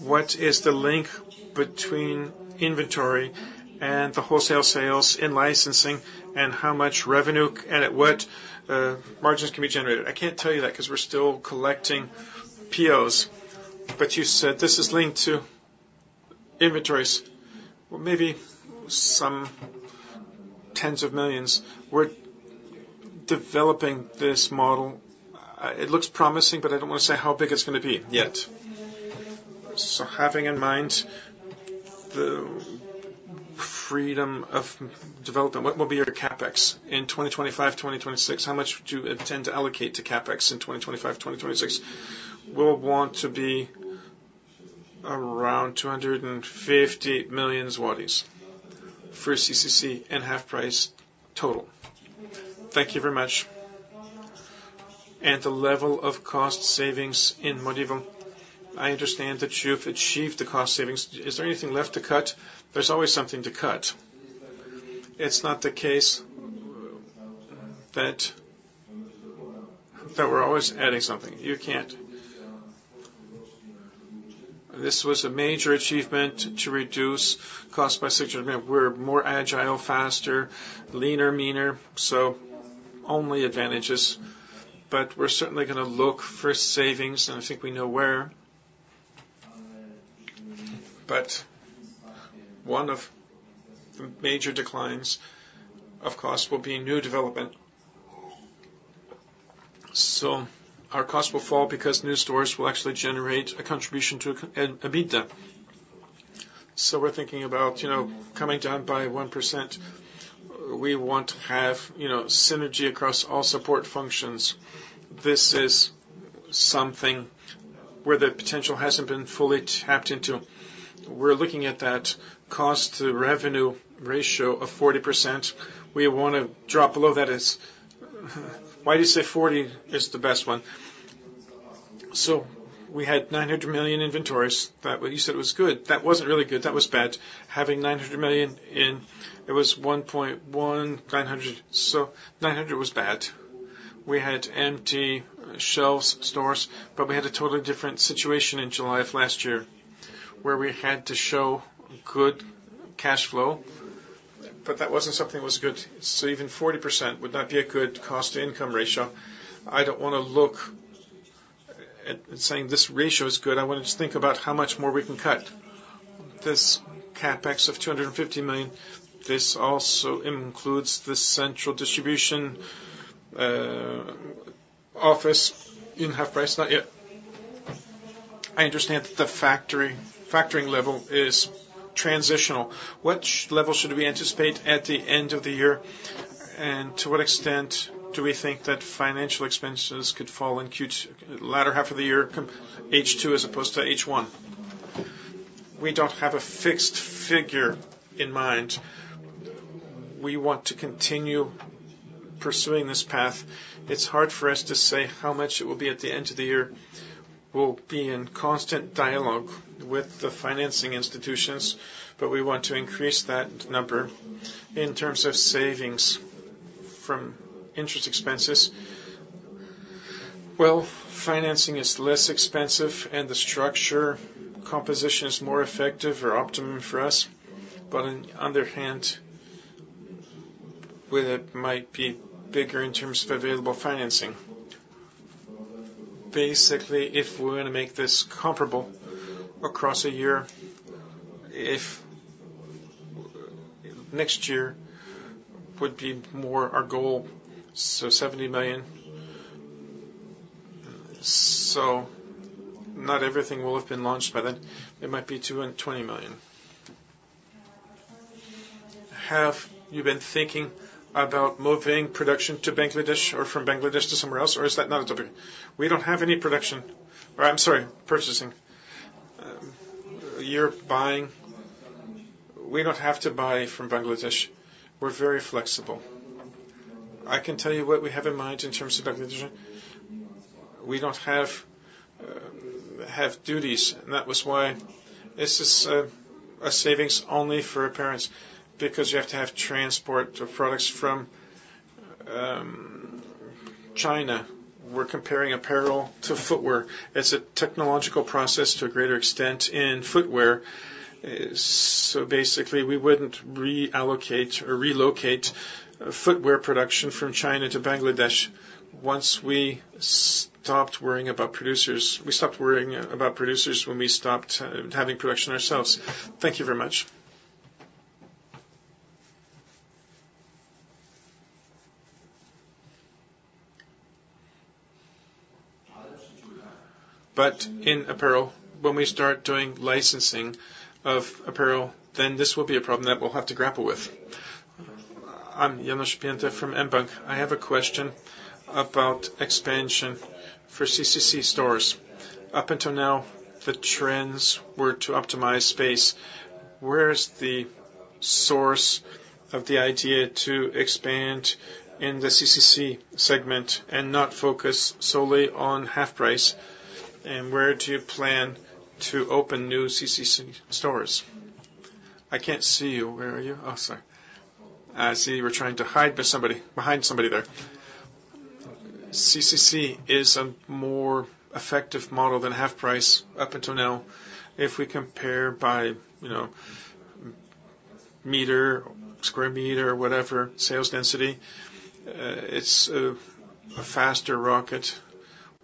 What is the link between inventory and the wholesale sales in licensing, and how much revenue, and at what margins can be generated? I can't tell you that, because we're still collecting POs. But you said this is linked to inventories. Well, maybe some tens of millions. We're developing this model. It looks promising, but I don't want to say how big it's going to be yet. So having in mind the freedom of development, what will be your CapEx in 2025, 2026? How much do you intend to allocate to CapEx in 2025, 2026? We'll want to be around 250 million zlotys for CCC and HalfPrice total. Thank you very much. The level of cost savings in Modivo, I understand that you've achieved the cost savings. Is there anything left to cut? There's always something to cut. It's not the case that that we're always adding something. You can't. This was a major achievement to reduce cost by 6... We're more agile, faster, leaner, meaner, so only advantages. But we're certainly going to look for savings, and I think we know where. But one of the major declines of cost will be new development. So our cost will fall because new stores will actually generate a contribution to EBITDA. So we're thinking about, you know, coming down by 1%. We want to have, you know, synergy across all support functions. This is something where the potential hasn't been fully tapped into. We're looking at that cost to revenue ratio of 40%. We want to drop below that. Why do you say 40 is the best one? So we had 900 million inventories. That, what you said was good. That wasn't really good, that was bad. Having 900 million in, it was 1.1 billion, 900 million. So 900 million was bad. We had empty shelves, stores, but we had a totally different situation in July of last year, where we had to show good cash flow, but that wasn't something that was good. So even 40% would not be a good cost to income ratio. I don't want to look at saying this ratio is good. I want to just think about how much more we can cut. This CapEx of 250 million, this also includes the central distribution office in HalfPrice, not yet. I understand that the factoring level is transitional. Which level should we anticipate at the end of the year? And to what extent do we think that financial expenses could fall in Q2, latter half of the year, H2 as opposed to H1? We don't have a fixed figure in mind. We want to continue pursuing this path. It's hard for us to say how much it will be at the end of the year. We'll be in constant dialogue with the financing institutions, but we want to increase that number in terms of savings from interest expenses. Well, financing is less expensive and the structure composition is more effective or optimum for us. But on the other hand, well, it might be bigger in terms of available financing. Basically, if we're gonna make this comparable across a year, if next year would be more our goal, so 70 million. So not everything will have been launched by then. It might be 220 million. Have you been thinking about moving production to Bangladesh or from Bangladesh to somewhere else, or is that not a topic? We don't have any production, or I'm sorry, purchasing. You're buying... We don't have to buy from Bangladesh. We're very flexible. I can tell you what we have in mind in terms of Bangladesh. We don't have duties, and that was why this is a savings only for apparel, because you have to have transport of products from China. We're comparing apparel to footwear. It's a technological process to a greater extent in footwear. So basically, we wouldn't reallocate or relocate footwear production from China to Bangladesh once we stopped worrying about producers. We stopped worrying about producers when we stopped having production ourselves. Thank you very much. But in apparel, when we start doing licensing of apparel, then this will be a problem that we'll have to grapple with. I'm Janusz Bień from mBank. I have a question about expansion for CCC stores. Up until now, the trends were to optimize space. Where is the source of the idea to expand in the CCC segment and not focus solely on HalfPrice? And where do you plan to open new CCC stores? I can't see you. Where are you? Oh, sorry. I see you were trying to hide behind somebody there. CCC is a more effective model than HalfPrice up until now. If we compare by, you know, meter, square meter, or whatever, sales density, it's a faster rocket.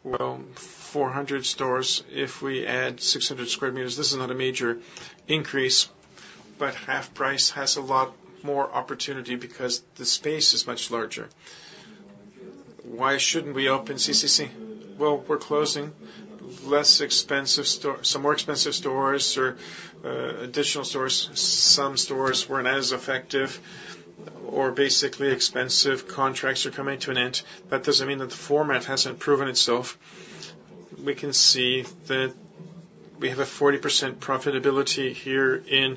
Well, 400 stores, if we add 600 square meters, this is not a major increase, but HalfPrice has a lot more opportunity because the space is much larger. Why shouldn't we open CCC? Well, we're closing less expensive stores, some more expensive stores or additional stores. Some stores weren't as effective, or basically, expensive contracts are coming to an end. That doesn't mean that the format hasn't proven itself. We can see that we have a 40% profitability here in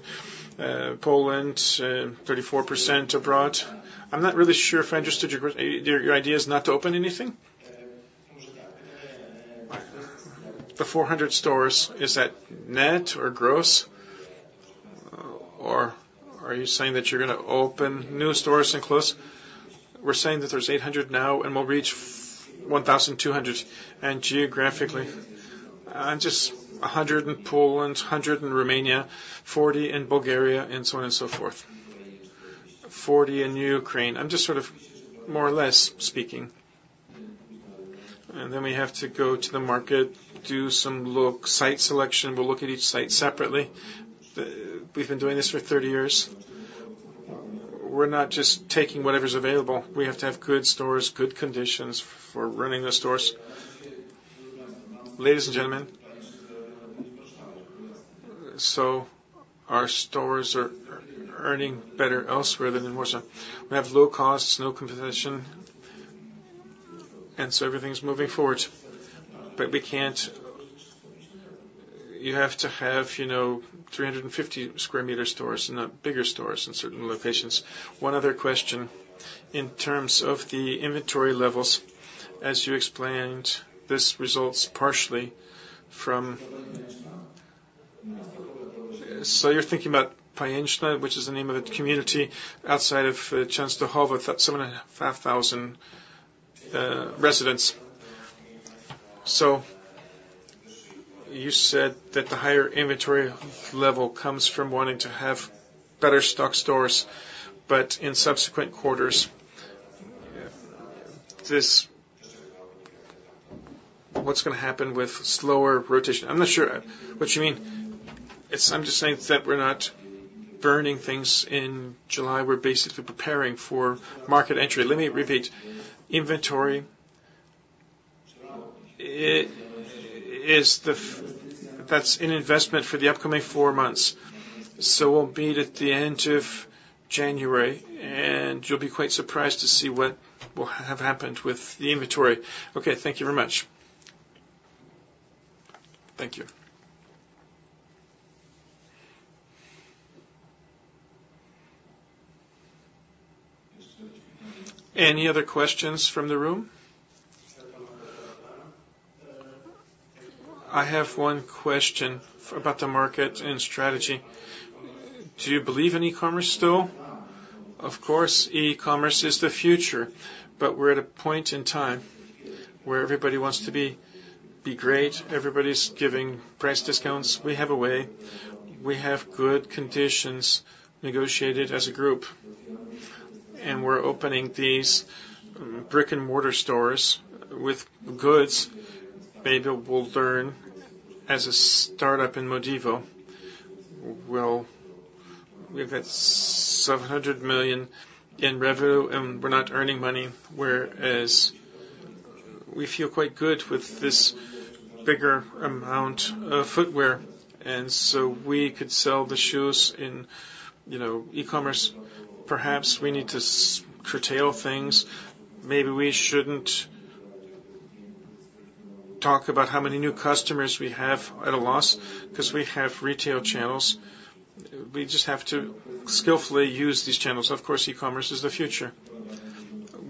Poland, 34% abroad. I'm not really sure if I understood your idea is not to open anything? The 400 stores, is that net or gross? Or are you saying that you're gonna open new stores and close? We're saying that there's 800 now, and we'll reach 1,200. And geographically? Just 100 in Poland, 100 in Romania, 40 in Bulgaria, and so on and so forth. 40 in Ukraine. I'm just sort of more or less speaking. And then we have to go to the market, do some look, site selection. We'll look at each site separately. We've been doing this for 30 years. We're not just taking whatever is available. We have to have good stores, good conditions for running the stores. Ladies and gentlemen, so our stores are, are earning better elsewhere than in Warsaw. We have low costs, no competition, and so everything is moving forward. But we can't... You have to have, you know, 350 square meter stores and not bigger stores in certain locations. One other question. In terms of the inventory levels, as you explained, this results partially from. So you're thinking about Pajęczno, which is the name of the community outside of Częstochowa, about 75,000 residents. So you said that the higher inventory level comes from wanting to have better stock stores, but in subsequent quarters, this, what's gonna happen with slower rotation? I'm not sure what you mean. It's. I'm just saying that we're not burning things in July. We're basically preparing for market entry. Let me repeat. Inventory is the. That's an investment for the upcoming four months, so we'll meet at the end of January, and you'll be quite surprised to see what will have happened with the inventory. Okay, thank you very much. Thank you. Any other questions from the room? I have one question about the market and strategy. Do you believe in e-commerce still? Of course, e-commerce is the future, but we're at a point in time where everybody wants to be great, everybody's giving price discounts. We have a way, we have good conditions negotiated as a group, and we're opening these brick-and-mortar stores with goods. Maybe we'll learn as a startup in Modivo. Well, we've had 700 million in revenue, and we're not earning money, whereas we feel quite good with this bigger amount of footwear, and so we could sell the shoes in, you know, e-commerce. Perhaps we need to curtail things. Maybe we shouldn't talk about how many new customers we have at a loss, because we have retail channels. We just have to skillfully use these channels. Of course, e-commerce is the future.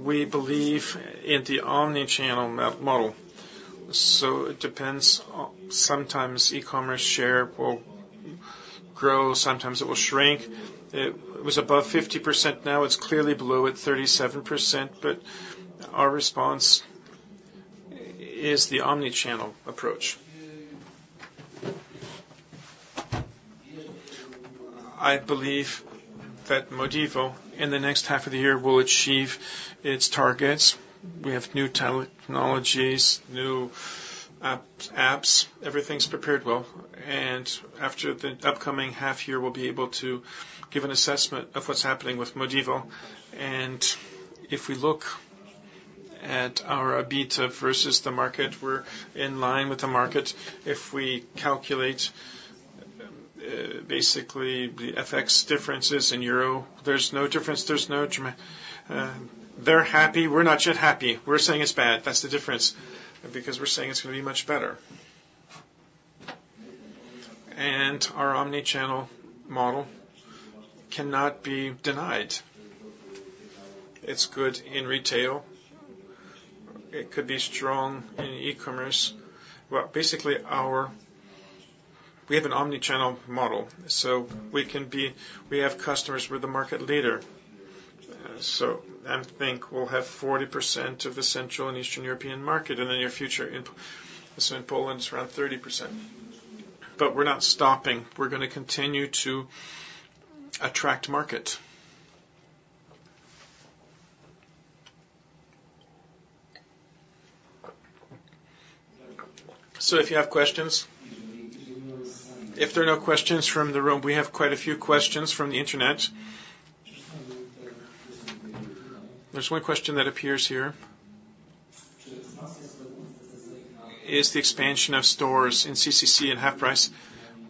We believe in the omni-channel model, so it depends. Sometimes e-commerce share will grow, sometimes it will shrink. It was above 50%, now it's clearly below at 37%, but our response is the omni-channel approach. I believe that Modivo, in the next half of the year, will achieve its targets. We have new technologies, new apps. Everything's prepared well, and after the upcoming half year, we'll be able to give an assessment of what's happening with Modivo. If we look at our EBITDA versus the market, we're in line with the market. If we calculate, basically, the FX differences in euro, there's no difference, there's no drama, they're happy, we're not yet happy. We're saying it's bad, that's the difference, because we're saying it's going to be much better. Our omni-channel model cannot be denied. It's good in retail, it could be strong in e-commerce. Well, basically, our, we have an omni-channel model, so we can be... We have customers, we're the market leader. So I think we'll have 40% of the Central and Eastern European market in the near future. So in Poland, it's around 30%. But we're not stopping, we're gonna continue to attract market. So if you have questions? If there are no questions from the room, we have quite a few questions from the Internet. There's one question that appears here. Is the expansion of stores in CCC and HalfPrice,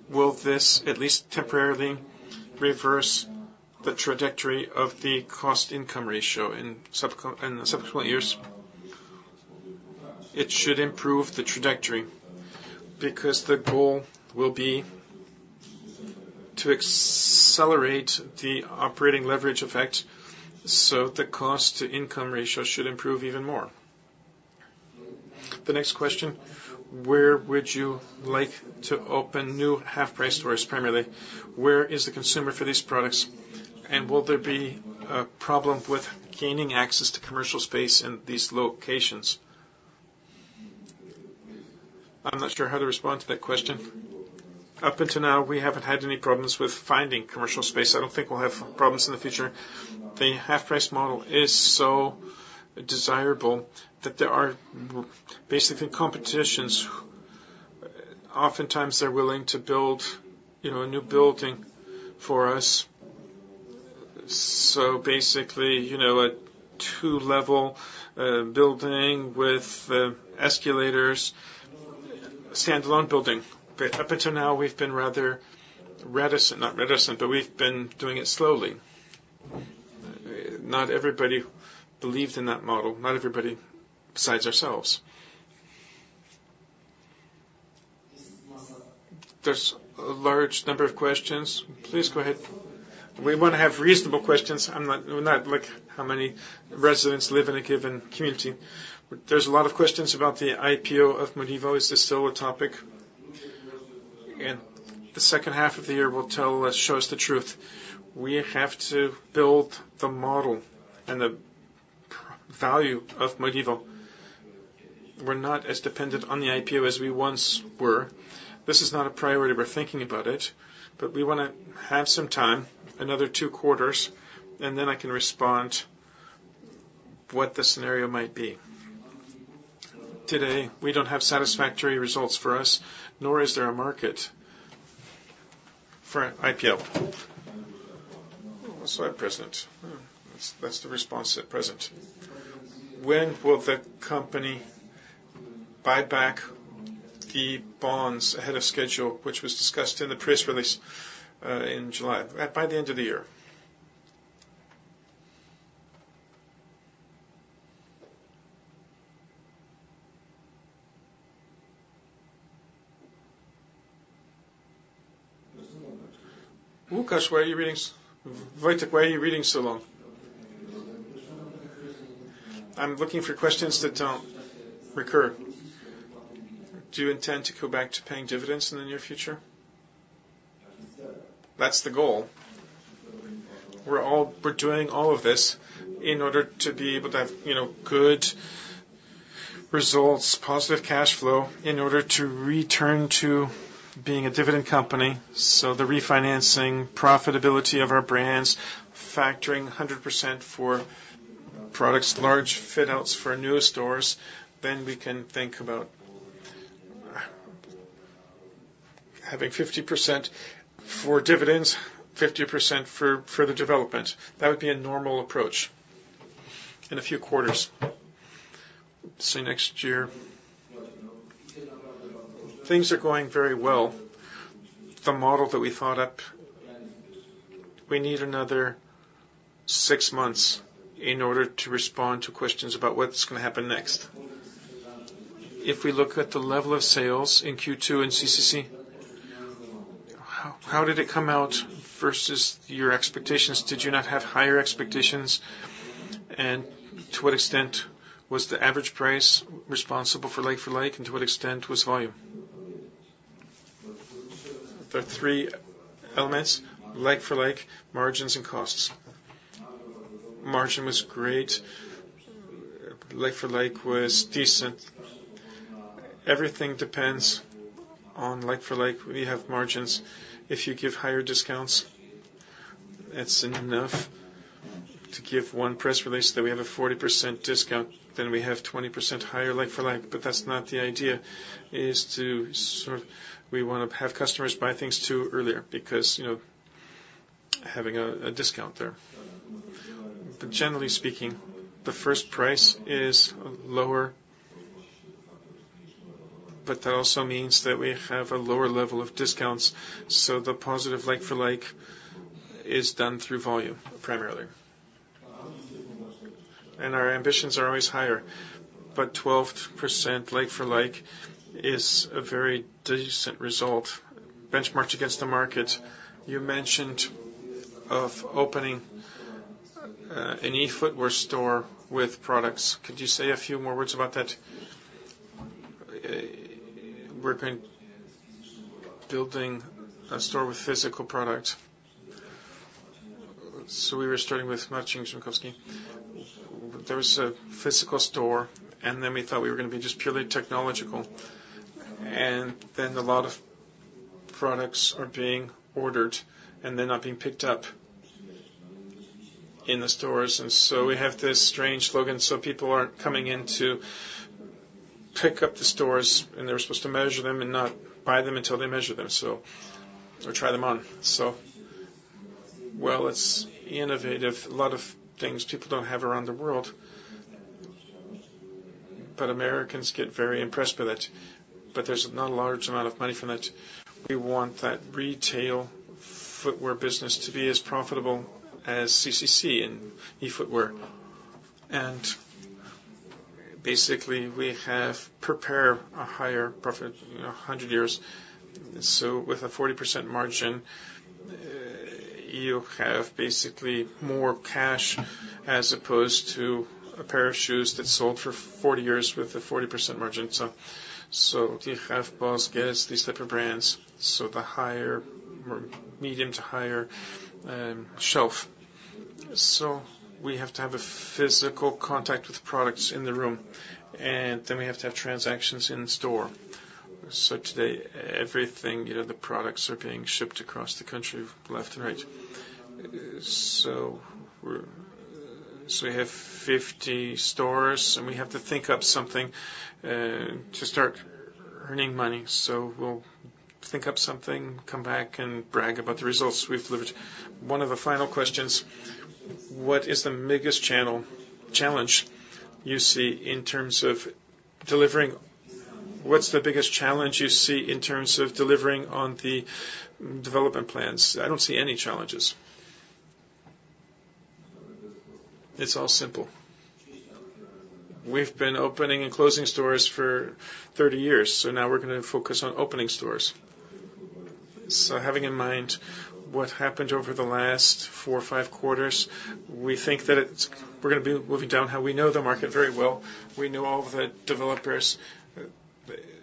will this at least temporarily reverse the trajectory of the cost-income ratio in the subsequent years? It should improve the trajectory, because the goal will be to accelerate the operating leverage effect, so the cost-to-income ratio should improve even more. The next question: Where would you like to open new HalfPrice stores, primarily? Where is the consumer for these products, and will there be a problem with gaining access to commercial space in these locations? I'm not sure how to respond to that question. Up until now, we haven't had any problems with finding commercial space. I don't think we'll have problems in the future. The HalfPrice model is so desirable that there are basically competitions. Oftentimes, they're willing to build, you know, a new building for us. So basically, you know, a two-level building with escalators, a standalone building. But up until now, we've been rather reticent, not reticent, but we've been doing it slowly. Not everybody believed in that model, not everybody besides ourselves. There's a large number of questions. Please go ahead. We want to have reasonable questions. I'm not, not like how many residents live in a given community. There's a lot of questions about the IPO of Modivo. Is this still a topic? The second half of the year will tell, show us the truth. We have to build the model and the value of Modivo. We're not as dependent on the IPO as we once were. This is not a priority. We're thinking about it, but we wanna have some time, another two quarters, and then I can respond what the scenario might be. Today, we don't have satisfactory results for us, nor is there a market for an IPO. So at present, that's the response at present. When will the company buy back the bonds ahead of schedule, which was discussed in the press release, in July? By the end of the year. Łukasz, why are you reading- Wojtek, why are you reading so long? I'm looking for questions that don't recur. Do you intend to go back to paying dividends in the near future? That's the goal. We're doing all of this in order to be able to have, you know, good results, positive cash flow, in order to return to being a dividend company. So the refinancing, profitability of our brands, factoring 100% for products, large fit outs for newer stores, then we can think about having 50% for dividends, 50% for the development. That would be a normal approach in a few quarters. Say, next year. Things are going very well. The model that we thought up, we need another six months in order to respond to questions about what's gonna happen next. If we look at the level of sales in Q2 in CCC, how did it come out versus your expectations? Did you not have higher expectations? And to what extent was the average price responsible for like-for-like, and to what extent was volume? There are three elements: like-for-like, margins, and costs. Margin was great. Like-for-like was decent. Everything depends on like-for-like. We have margins. If you give higher discounts, it's enough to give one press release that we have a 40% discount, then we have 20% higher like-for-like. But that's not the idea, is it? To sort of, we wanna have customers buy things, too, earlier, because, you know, having a discount there. But generally speaking, the first price is lower, but that also means that we have a lower level of discounts, so the positive like-for-like is done through volume, primarily. And our ambitions are always higher, but 12% like-for-like is a very decent result, benchmarked against the market. You mentioned of opening, an eobuwie store with products. Could you say a few more words about that? We're building a store with physical product. So we were starting with Marcin Grzymkowski. There was a physical store, and then we thought we were gonna be just purely technological. And then a lot of products are being ordered, and they're not being picked up in the stores, and so we have this strange slogan, so people aren't coming in to pick up the stores, and they're supposed to measure them and not buy them until they measure them, so, or try them on. So well, it's innovative. A lot of things people don't have around the world, but Americans get very impressed with it. But there's not a large amount of money from it. We want that retail footwear business to be as profitable as CCC and eobuwie. Basically, we have prepare a higher profit, you know, hundred euros. So with a 40% margin, you have basically more cash, as opposed to a pair of shoes that sold for forty euros with a 40% margin. So you have Boss, Guess, these type of brands, so the higher, medium to higher, shelf. So we have to have a physical contact with products in the room, and then we have to have transactions in store. So today, everything, you know, the products are being shipped across the country, left to right. So we have 50 stores, and we have to think up something to start earning money. So we'll think up something, come back, and brag about the results we've delivered. One of the final questions: What's the biggest challenge you see in terms of delivering on the development plans? I don't see any challenges. It's all simple. We've been opening and closing stores for 30 years, so now we're gonna focus on opening stores. So having in mind what happened over the last 4 or 5 quarters, we think that we're gonna be moving down, how we know the market very well. We know all the developers,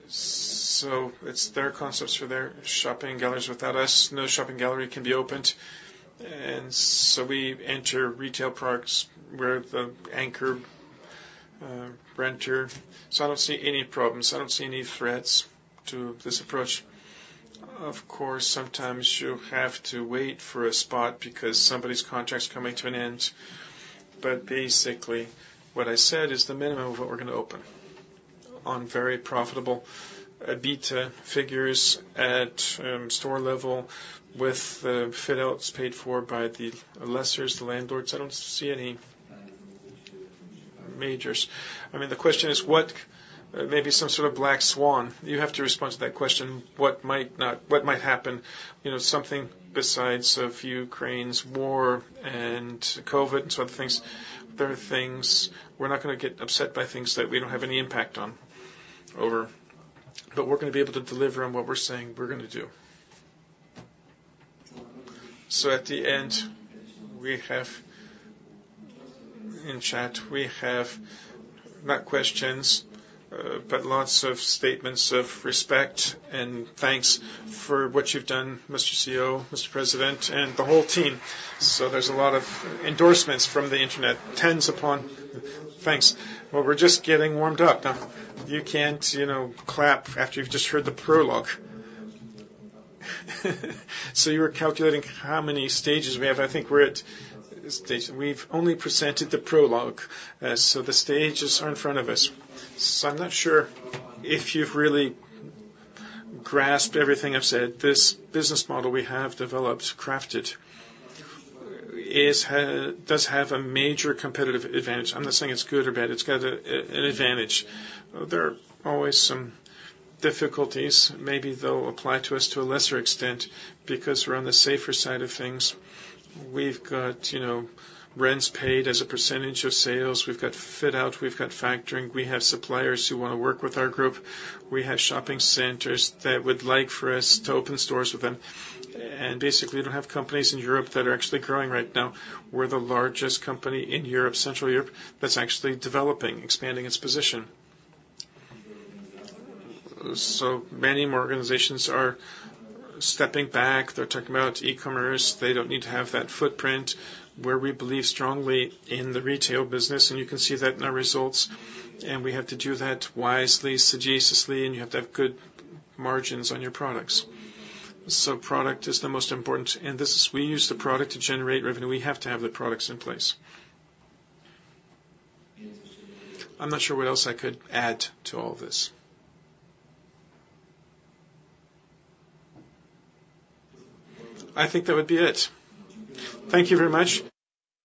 so it's their concepts for their shopping galleries. Without us, no shopping gallery can be opened. And so we enter retail parks, we're the anchor renter. So I don't see any problems. I don't see any threats to this approach. Of course, sometimes you have to wait for a spot because somebody's contract's coming to an end. But basically, what I said is the minimum of what we're gonna open on very profitable EBITDA figures at store level, with the fit outs paid for by the lessors, the landlords. I don't see any majors. I mean, the question is, what may be some sort of black swan? You have to respond to that question, what might not- what might happen? You know, something besides a few cranes, war and COVID, and sort of things. There are things... We're not gonna get upset by things that we don't have any impact on, over. But we're gonna be able to deliver on what we're saying we're gonna do.... So at the end, we have in chat, we have not questions, but lots of statements of respect and thanks for what you've done, Mr. CEO, Mr. President, and the whole team. So there's a lot of endorsements from the internet, tens upon thanks. Well, we're just getting warmed up. Now, you can't, you know, clap after you've just heard the prologue. So you were calculating how many stages we have. I think we're at stage. We've only presented the prologue, so the stages are in front of us. So I'm not sure if you've really grasped everything I've said. This business model we have developed, crafted, is does have a major competitive advantage. I'm not saying it's good or bad, it's got a, an advantage. There are always some difficulties. Maybe they'll apply to us to a lesser extent because we're on the safer side of things. We've got, you know, rents paid as a percentage of sales. We've got fit out, we've got factoring. We have suppliers who want to work with our group. We have shopping centers that would like for us to open stores with them. And basically, we don't have companies in Europe that are actually growing right now. We're the largest company in Europe, Central Europe, that's actually developing, expanding its position. So many more organizations are stepping back. They're talking about e-commerce. They don't need to have that footprint, where we believe strongly in the retail business, and you can see that in our results. And we have to do that wisely, sagaciously, and you have to have good margins on your products. So product is the most important, and this is, we use the product to generate revenue. We have to have the products in place. I'm not sure what else I could add to all this. I think that would be it. Thank you very much.